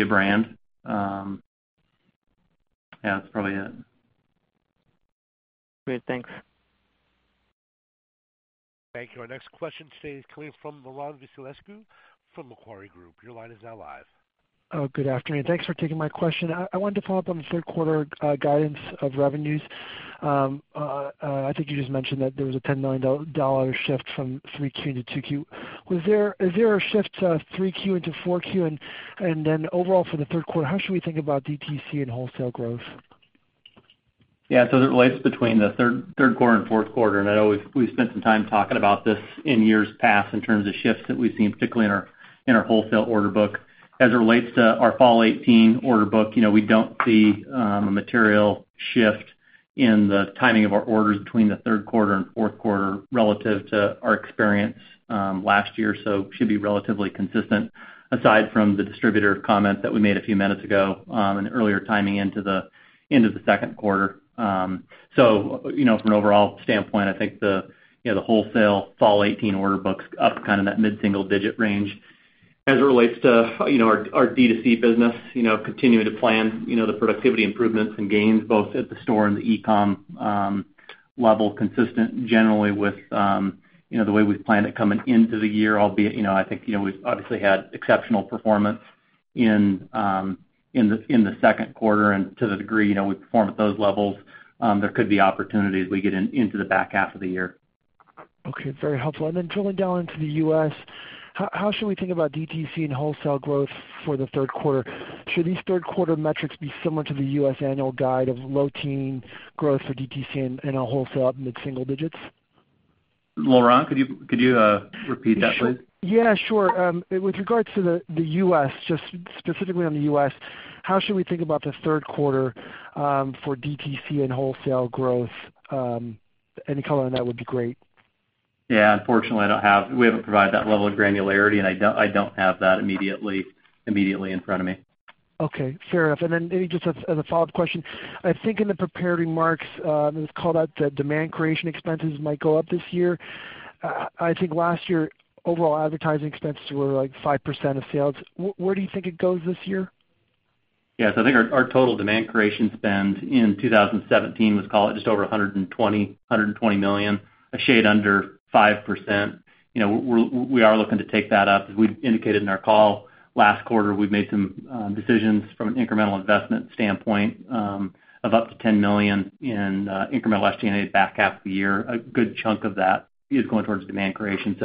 brand. Yeah, that's probably it. Great. Thanks. Thank you. Our next question today is coming from Laurent Vasilescu from Macquarie. Your line is now live. Good afternoon. Thanks for taking my question. I wanted to follow up on the third quarter guidance of revenues. I think you just mentioned that there was a $10 million shift from 3Q to 2Q. Is there a shift 3Q into 4Q? Overall for the third quarter, how should we think about DTC and wholesale growth? The relates between the third quarter and fourth quarter, I know we've spent some time talking about this in years past in terms of shifts that we've seen, particularly in our wholesale order book. As it relates to our fall '18 order book, we don't see a material shift in the timing of our orders between the third quarter and fourth quarter relative to our experience last year. Should be relatively consistent, aside from the distributor comment that we made a few minutes ago, an earlier timing into the end of the second quarter. From an overall standpoint, I think the wholesale fall '18 order book's up kind of that mid-single-digit range. As it relates to our D2C business, continuing to plan the productivity improvements and gains both at the store and the e-com level, consistent generally with the way we've planned it coming into the year, albeit, I think we've obviously had exceptional performance in the second quarter. To the degree we perform at those levels, there could be opportunities we get into the back half of the year. Very helpful. Drilling down into the U.S., how should we think about DTC and wholesale growth for the third quarter? Should these third quarter metrics be similar to the U.S. annual guide of low-teen growth for DTC and a wholesale up mid-single-digits? Laurent, could you repeat that, please? Yeah, sure. With regards to the U.S., just specifically on the U.S., how should we think about the third quarter for DTC and wholesale growth? Any color on that would be great. Yeah. Unfortunately, we haven't provided that level of granularity, and I don't have that immediately in front of me. Okay. Fair enough. Then maybe just as a follow-up question, I think in the prepared remarks, it was called out that demand creation expenses might go up this year. I think last year, overall advertising expenses were like 5% of sales. Where do you think it goes this year? I think our total demand creation spend in 2017 was, call it, just over $120 million, a shade under 5%. We are looking to take that up. As we indicated in our call last quarter, we've made some decisions from an incremental investment standpoint of up to $10 million in incremental SG&A back half of the year. A good chunk of that is going towards demand creation.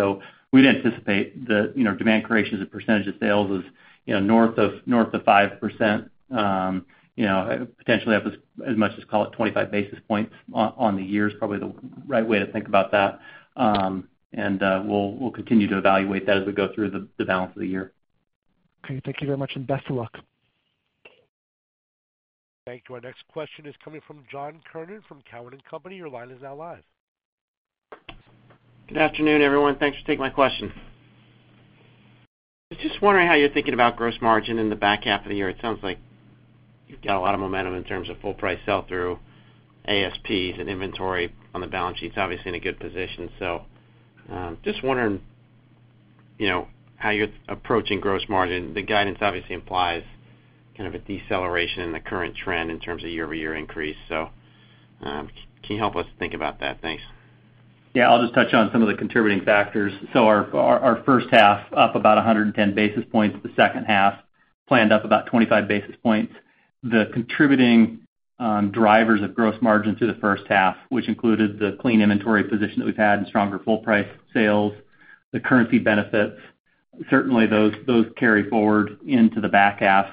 We'd anticipate the demand creation as a percentage of sales is north of 5%, potentially up as much as, call it, 25 basis points on the year is probably the right way to think about that. We'll continue to evaluate that as we go through the balance of the year. Okay. Thank you very much, and best of luck. Thank you. Our next question is coming from John Kernan from Cowen and Company. Your line is now live. Good afternoon, everyone. Thanks for taking my question. I was just wondering how you're thinking about gross margin in the back half of the year. It sounds like you've got a lot of momentum in terms of full price sell-through, ASPs, and inventory on the balance sheet's obviously in a good position. Just wondering how you're approaching gross margin. The guidance obviously implies kind of a deceleration in the current trend in terms of year-over-year increase. Can you help us think about that? Thanks. I'll just touch on some of the contributing factors. Our first half up about 110 basis points. The second half planned up about 25 basis points. The contributing drivers of gross margin through the first half, which included the clean inventory position that we've had and stronger full price sales, the currency benefits. Certainly those carry forward into the back half,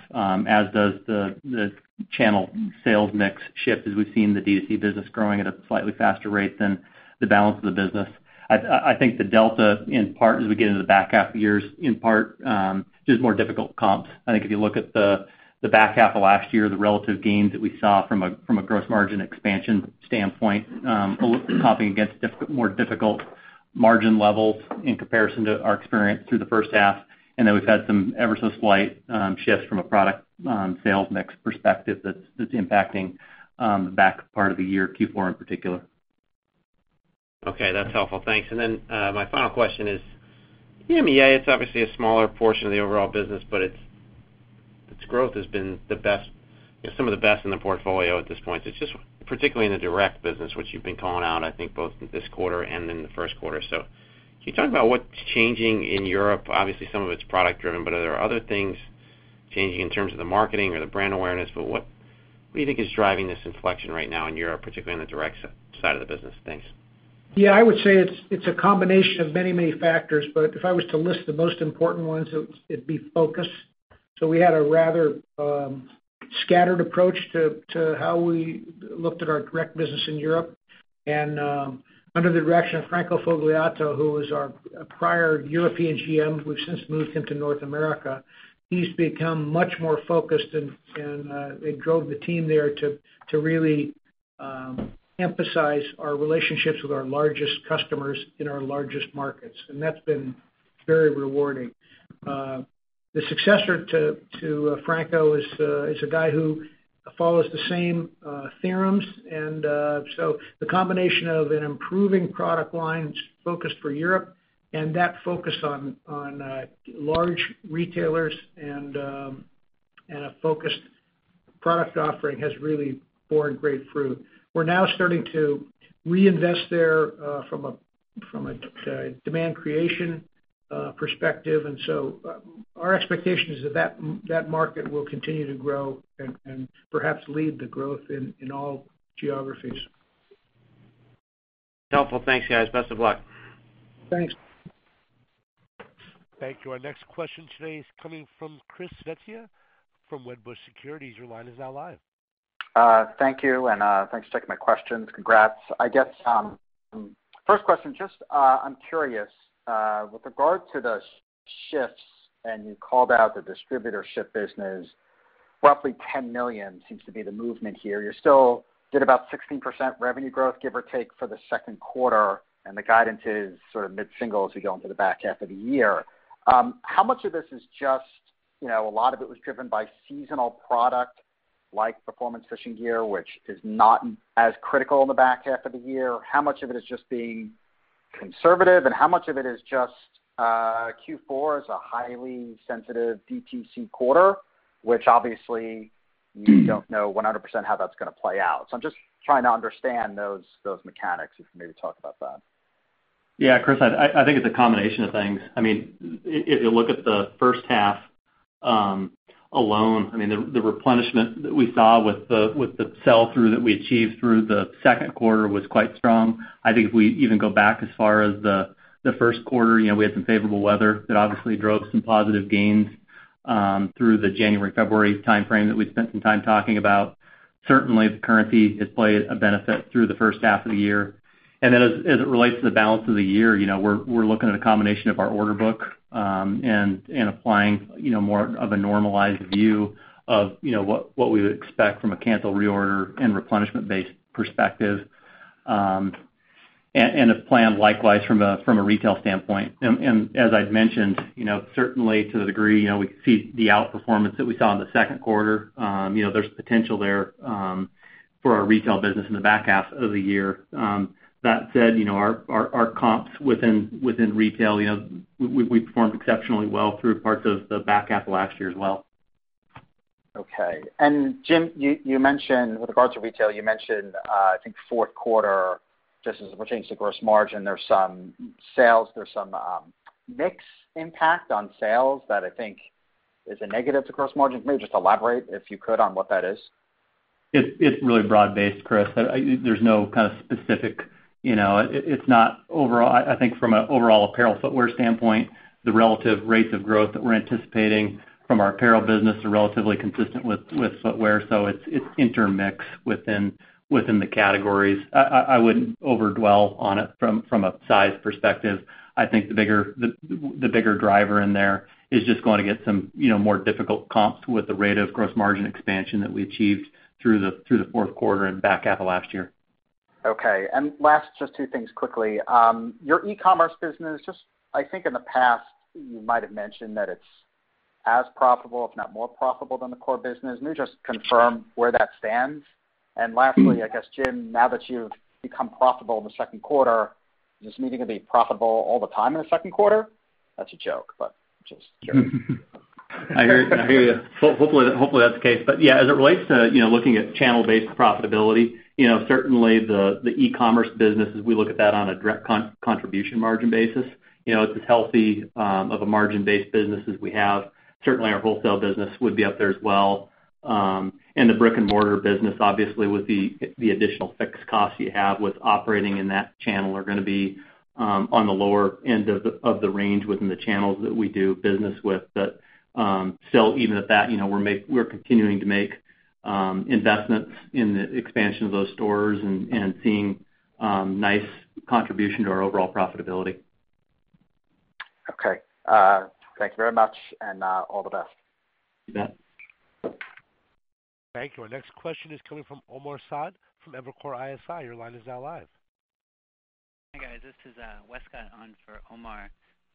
as does the channel sales mix shift as we've seen the D2C business growing at a slightly faster rate than the balance of the business. I think the delta in part as we get into the back half of the year is in part just more difficult comps. I think if you look at the back half of last year, the relative gains that we saw from a gross margin expansion standpoint, comping against more difficult margin levels in comparison to our experience through the first half, and then we've had some ever so slight shifts from a product sales mix perspective that's impacting the back part of the year, Q4 in particular. Okay, that's helpful. Thanks. My final question is, EMEA, it's obviously a smaller portion of the overall business, but its growth has been some of the best in the portfolio at this point. Just particularly in the direct business, which you've been calling out, I think both this quarter and in the first quarter. Can you talk about what's changing in Europe? Obviously, some of it's product driven, but are there other things changing in terms of the marketing or the brand awareness? What do you think is driving this inflection right now in Europe, particularly on the direct side of the business? Thanks. Yeah, I would say it's a combination of many, many factors. If I was to list the most important ones, it'd be focus. We had a rather scattered approach to how we looked at our direct business in Europe. Under the direction of Franco Fogliato, who was our prior European GM, we've since moved him to North America. He's become much more focused, and it drove the team there to really emphasize our relationships with our largest customers in our largest markets. That's been very rewarding. The successor to Franco is a guy who follows the same theorems. The combination of an improving product line's focus for Europe and that focus on large retailers and a focused product offering has really borne great fruit. We're now starting to reinvest there from a demand creation perspective, and so our expectation is that that market will continue to grow and perhaps lead the growth in all geographies. Helpful. Thanks, guys. Best of luck. Thanks. Thank you. Our next question today is coming from Chris Svezia from Wedbush Securities. Your line is now live. Thank you, and thanks for taking my questions. Congrats. First question, I'm curious, with regard to the shifts, and you called out the distributorship business, roughly $10 million seems to be the movement here. You still did about 16% revenue growth, give or take, for the second quarter, and the guidance is sort of mid-single as we go into the back half of the year. How much of this is just, a lot of it was driven by seasonal product like Performance Fishing Gear, which is not as critical in the back half of the year? How much of it is just being conservative, and how much of it is just Q4 is a highly sensitive DTC quarter, which obviously you don't know 100% how that's going to play out. I'm just trying to understand those mechanics, if you maybe talk about that. Yeah, Chris, I think it's a combination of things. If you look at the first half alone, the replenishment that we saw with the sell-through that we achieved through the second quarter was quite strong. I think if we even go back as far as the first quarter, we had some favorable weather that obviously drove some positive gains through the January-February timeframe that we'd spent some time talking about. Certainly, the currency has played a benefit through the first half of the year. As it relates to the balance of the year, we're looking at a combination of our order book, and applying more of a normalized view of what we would expect from a cancel, reorder, and replenishment-based perspective, and a plan likewise from a retail standpoint. As I'd mentioned, certainly to the degree, we could see the outperformance that we saw in the second quarter. There's potential there for our retail business in the back half of the year. That said, our comps within retail, we performed exceptionally well through parts of the back half of last year as well. Okay. Jim, with regards to retail, you mentioned, I think fourth quarter, just as it pertains to gross margin, there's some sales, there's some mix impact on sales that I think is a negative to gross margin. Maybe just elaborate, if you could, on what that is. It's really broad based, Chris. I think from an overall apparel footwear standpoint, the relative rates of growth that we're anticipating from our apparel business are relatively consistent with footwear. It's intermix within the categories. I wouldn't over-dwell on it from a size perspective. I think the bigger driver in there is just going to get some more difficult comps with the rate of gross margin expansion that we achieved through the fourth quarter and back half of last year. Last, just two things quickly. Your e-commerce business, just I think in the past, you might've mentioned that it's as profitable, if not more profitable than the core business. Can you just confirm where that stands? Lastly, I guess, Jim, now that you've become profitable in the second quarter, does this mean you're going to be profitable all the time in the second quarter? That's a joke, but just curious. I hear you. Hopefully that's the case. Yeah, as it relates to looking at channel-based profitability, certainly the e-commerce business, as we look at that on a direct contribution margin basis, it's as healthy of a margin-based business as we have. Certainly our wholesale business would be up there as well. The brick and mortar business, obviously, with the additional fixed costs you have with operating in that channel are going to be on the lower end of the range within the channels that we do business with. Still, even at that, we're continuing to make investments in the expansion of those stores and seeing nice contribution to our overall profitability. Okay. Thank you very much, and all the best. You bet. Thank you. Our next question is coming from Omar Saad from Evercore ISI. Your line is now live. Hi, guys. This is Wescott on for Omar.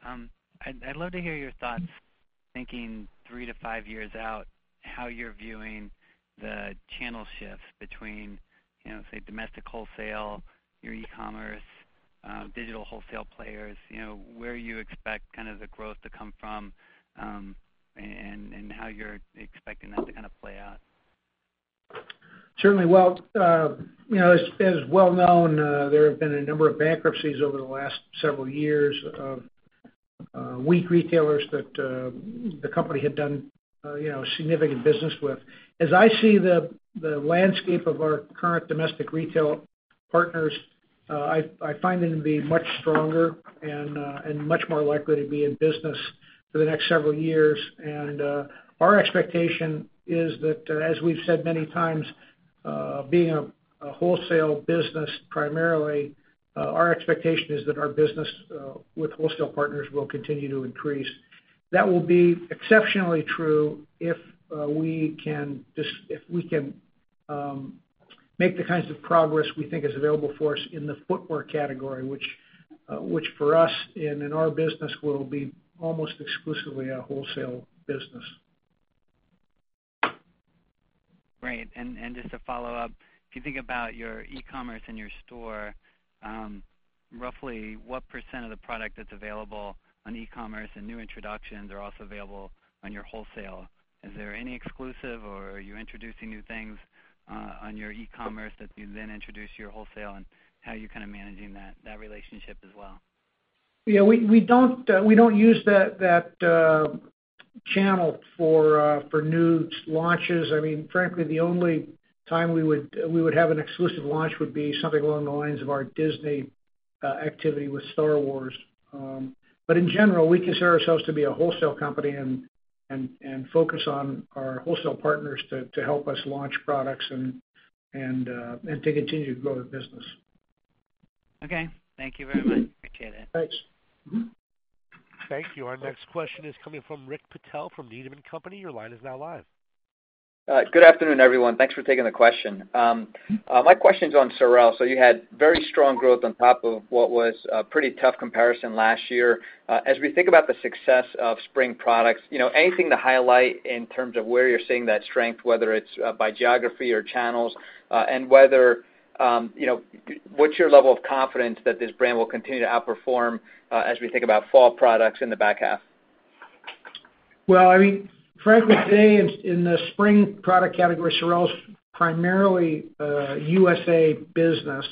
I'd love to hear your thoughts, thinking three to five years out, how you're viewing the channel shifts between, say, domestic wholesale, your e-commerce, digital wholesale players, where you expect the growth to come from, and how you're expecting that to play out. Certainly. Well, as well known, there have been a number of bankruptcies over the last several years of weak retailers that the company had done significant business with. As I see the landscape of our current domestic retail partners, I find them to be much stronger and much more likely to be in business for the next several years. Our expectation is that, as we've said many times, being a wholesale business primarily, our expectation is that our business with wholesale partners will continue to increase. That will be exceptionally true if we can make the kinds of progress we think is available for us in the footwear category, which for us and in our business will be almost exclusively a wholesale business. Great. Just to follow up, if you think about your e-commerce and your store, roughly what % of the product that's available on e-commerce and new introductions are also available on your wholesale? Is there any exclusive, or are you introducing new things on your e-commerce that you then introduce to your wholesale, and how are you managing that relationship as well? Yeah, we don't use that channel for new launches. Frankly, the only time we would have an exclusive launch would be something along the lines of our Disney-activity with Star Wars. In general, we consider ourselves to be a wholesale company and focus on our wholesale partners to help us launch products and to continue to grow the business. Okay. Thank you very much. Appreciate it. Thanks. Mm-hmm. Thank you. Our next question is coming from Rick Patel from Needham and Company. Your line is now live. Good afternoon, everyone. Thanks for taking the question. My question's on SOREL. You had very strong growth on top of what was a pretty tough comparison last year. As we think about the success of spring products, anything to highlight in terms of where you're seeing that strength, whether it's by geography or channels, and what's your level of confidence that this brand will continue to outperform as we think about fall products in the back half? Frankly, today in the spring product category, SOREL's primarily a USA business.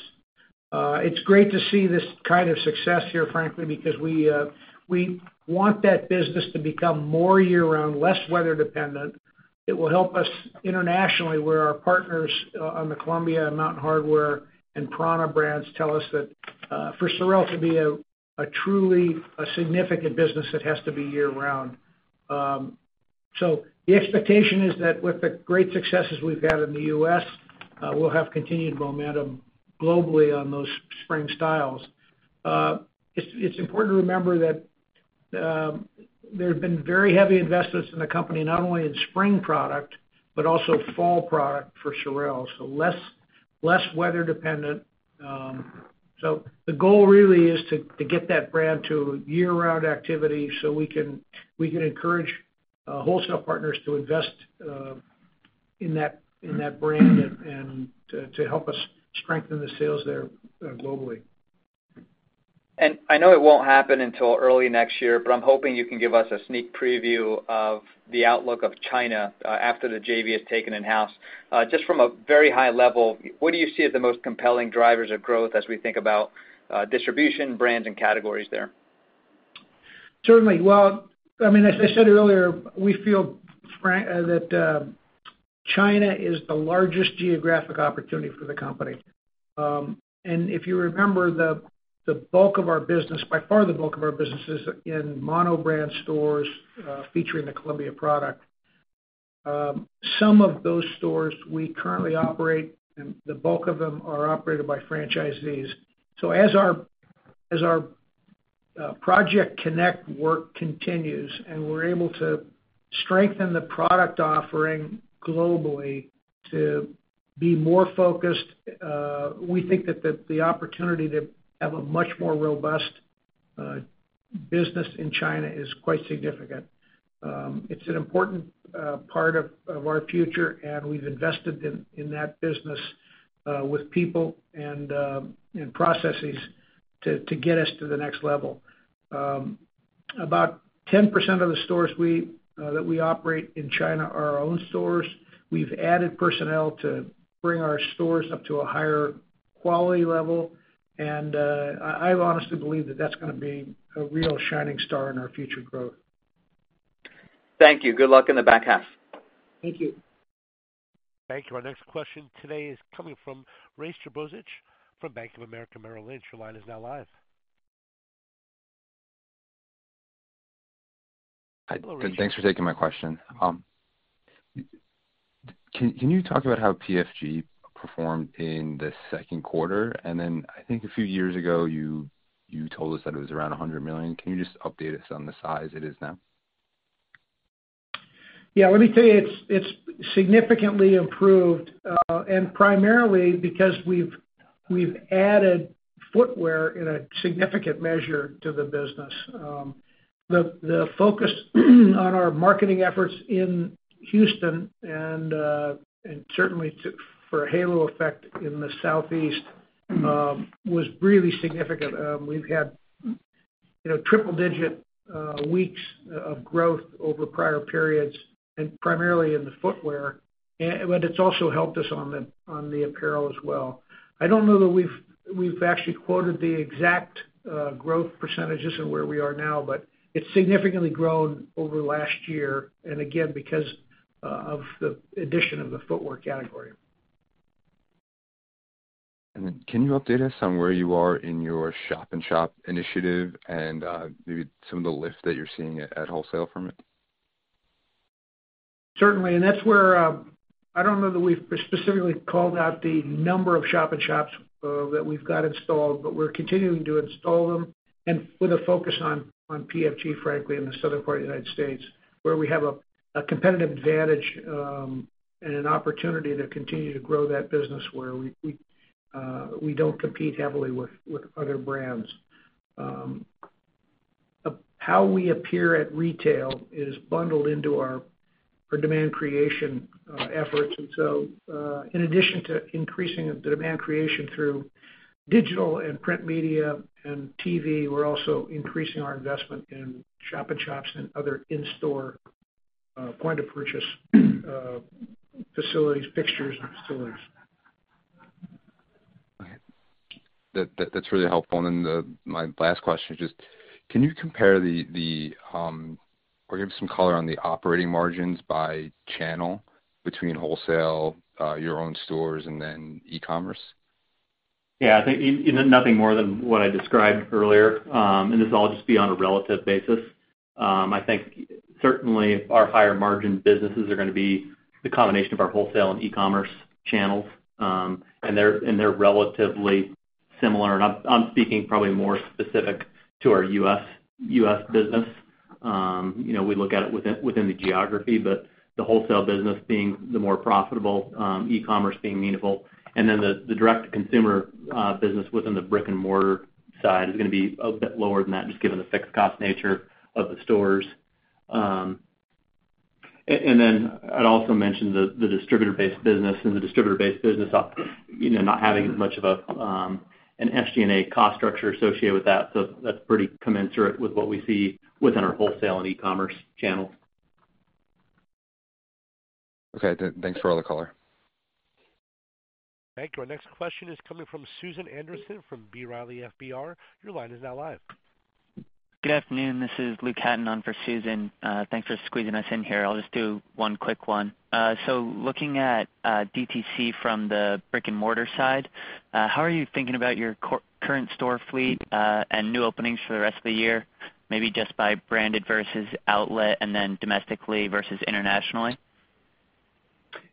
It's great to see this kind of success here, frankly, because we want that business to become more year-round, less weather dependent. It will help us internationally where our partners on the Columbia and Mountain Hardwear and prAna brands tell us that for SOREL to be a truly significant business, it has to be year-round. The expectation is that with the great successes we've had in the U.S., we'll have continued momentum globally on those spring styles. It's important to remember that there have been very heavy investments in the company, not only in spring product, but also fall product for SOREL, less weather dependent. The goal really is to get that brand to year-round activity so we can encourage wholesale partners to invest in that brand and to help us strengthen the sales there globally. I know it won't happen until early next year, but I'm hoping you can give us a sneak preview of the outlook of China after the JV is taken in-house. Just from a very high level, what do you see as the most compelling drivers of growth as we think about distribution, brands, and categories there? Certainly. Well, as I said earlier, we feel that China is the largest geographic opportunity for the company. If you remember, the bulk of our business, by far the bulk of our business, is in mono-brand stores featuring the Columbia product. Some of those stores we currently operate, and the bulk of them are operated by franchisees. As our Project Connect work continues and we're able to strengthen the product offering globally to be more focused, we think that the opportunity to have a much more robust business in China is quite significant. It's an important part of our future, and we've invested in that business with people and processes to get us to the next level. About 10% of the stores that we operate in China are our own stores. We've added personnel to bring our stores up to a higher quality level. I honestly believe that that's going to be a real shining star in our future growth. Thank you. Good luck in the back half. Thank you. Thank you. Our next question today is coming from Ray Trabuzic from Bank of America Merrill Lynch. Your line is now live. Hello, Ray. Thanks for taking my question. Can you talk about how PFG performed in the second quarter? I think a few years ago, you told us that it was around $100 million. Can you just update us on the size it is now? Yeah. Let me tell you, it's significantly improved, primarily because we've added footwear in a significant measure to the business. The focus on our marketing efforts in Houston and certainly for a halo effect in the Southeast, was really significant. We've had triple-digit weeks of growth over prior periods and primarily in the footwear, it's also helped us on the apparel as well. I don't know that we've actually quoted the exact growth percentages and where we are now, it's significantly grown over last year, again, because of the addition of the footwear category. Can you update us on where you are in your shop-in-shop initiative and maybe some of the lift that you're seeing at wholesale from it? Certainly. I don't know that we've specifically called out the number of shop-in-shops that we've got installed, but we're continuing to install them with a focus on PFG, frankly, in the southern part of the U.S., where we have a competitive advantage and an opportunity to continue to grow that business where we don't compete heavily with other brands. How we appear at retail is bundled into our demand creation efforts. In addition to increasing the demand creation through digital and print media and TV, we're also increasing our investment in shop-in-shops and other in-store point-of-purchase facilities, fixtures and facilities. That's really helpful. My last question is just, can you compare and give some color on the operating margins by channel between wholesale, your own stores, and then e-commerce. I think nothing more than what I described earlier. This will all just be on a relative basis. I think certainly our higher margin businesses are going to be the combination of our wholesale and e-commerce channels. They're relatively similar. I'm speaking probably more specific to our U.S. business. We look at it within the geography, the wholesale business being the more profitable, e-commerce being meaningful, then the direct-to-consumer business within the brick-and-mortar side is going to be a bit lower than that, just given the fixed cost nature of the stores. Then I'd also mention the distributor-based business, and the distributor-based business not having as much of an SG&A cost structure associated with that. That's pretty commensurate with what we see within our wholesale and e-commerce channels. Okay. Thanks for all the color. Thank you. Our next question is coming from Susan Anderson from B. Riley FBR. Your line is now live. Good afternoon. This is Luke Hatton on for Susan. Thanks for squeezing us in here. I'll just do one quick one. Looking at DTC from the brick-and-mortar side, how are you thinking about your current store fleet, and new openings for the rest of the year, maybe just by branded versus outlet, and then domestically versus internationally?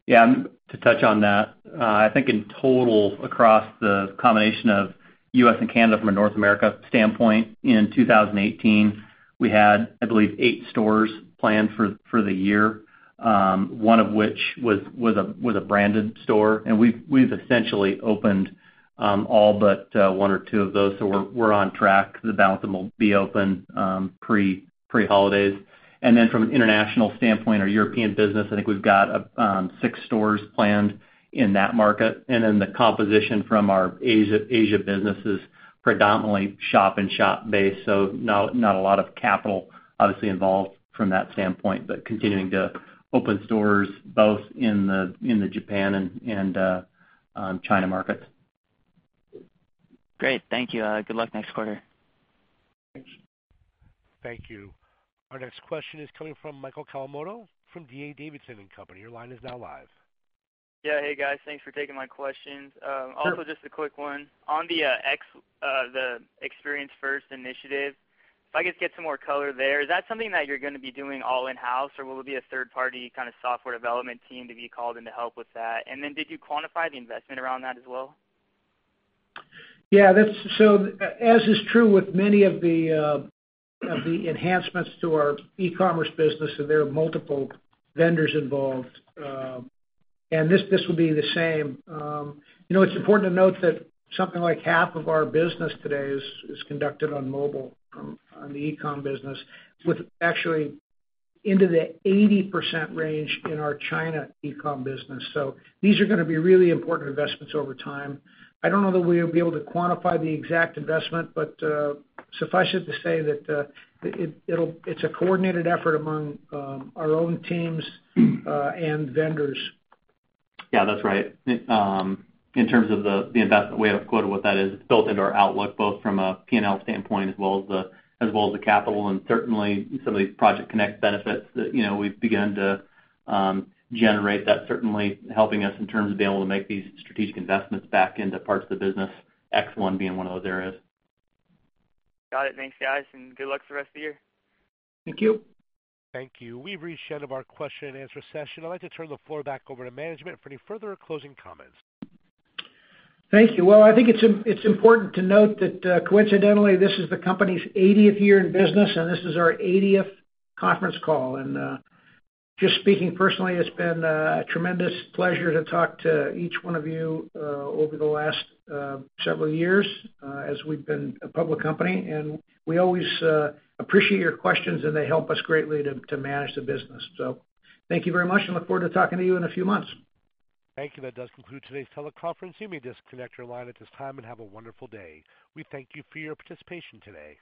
To touch on that, I think in total, across the combination of U.S. and Canada from a North America standpoint in 2018, we had, I believe, eight stores planned for the year, one of which was a branded store. We've essentially opened all but one or two of those. We're on track. The balance of them will be open pre-holidays. From an international standpoint, our European business, I think we've got six stores planned in that market. The composition from our Asia business is predominantly shop-in-shop based, not a lot of capital obviously involved from that standpoint, but continuing to open stores both in the Japan and China markets. Great. Thank you. Good luck next quarter. Thanks. Thank you. Our next question is coming from Michael Kawamoto from D.A. Davidson & Co. Your line is now live. Yeah. Hey, guys. Thanks for taking my questions. Sure. Also just a quick one. On the Experience First initiative, if I could just get some more color there. Is that something that you're going to be doing all in-house, or will it be a third-party software development team to be called in to help with that? Did you quantify the investment around that as well? Yeah. As is true with many of the enhancements to our e-commerce business, there are multiple vendors involved. This will be the same. It's important to note that something like half of our business today is conducted on mobile, on the e-com business, with actually into the 80% range in our China e-com business. These are going to be really important investments over time. I don't know that we'll be able to quantify the exact investment, but suffice it to say that it's a coordinated effort among our own teams and vendors. Yeah, that's right. In terms of the investment, we have quoted what that is. It's built into our outlook, both from a P&L standpoint as well as the capital, and certainly some of these Project Connect benefits that we've begun to generate. That's certainly helping us in terms of being able to make these strategic investments back into parts of the business, X1 being one of those areas. Got it. Thanks, guys, and good luck for the rest of the year. Thank you. Thank you. We've reached the end of our question and answer session. I'd like to turn the floor back over to management for any further closing comments. Thank you. Well, I think it's important to note that coincidentally, this is the company's 80th year in business, and this is our 80th conference call. Just speaking personally, it's been a tremendous pleasure to talk to each one of you over the last several years as we've been a public company, and we always appreciate your questions, and they help us greatly to manage the business. Thank you very much, and look forward to talking to you in a few months. Thank you. That does conclude today's teleconference. You may disconnect your line at this time, and have a wonderful day. We thank you for your participation today.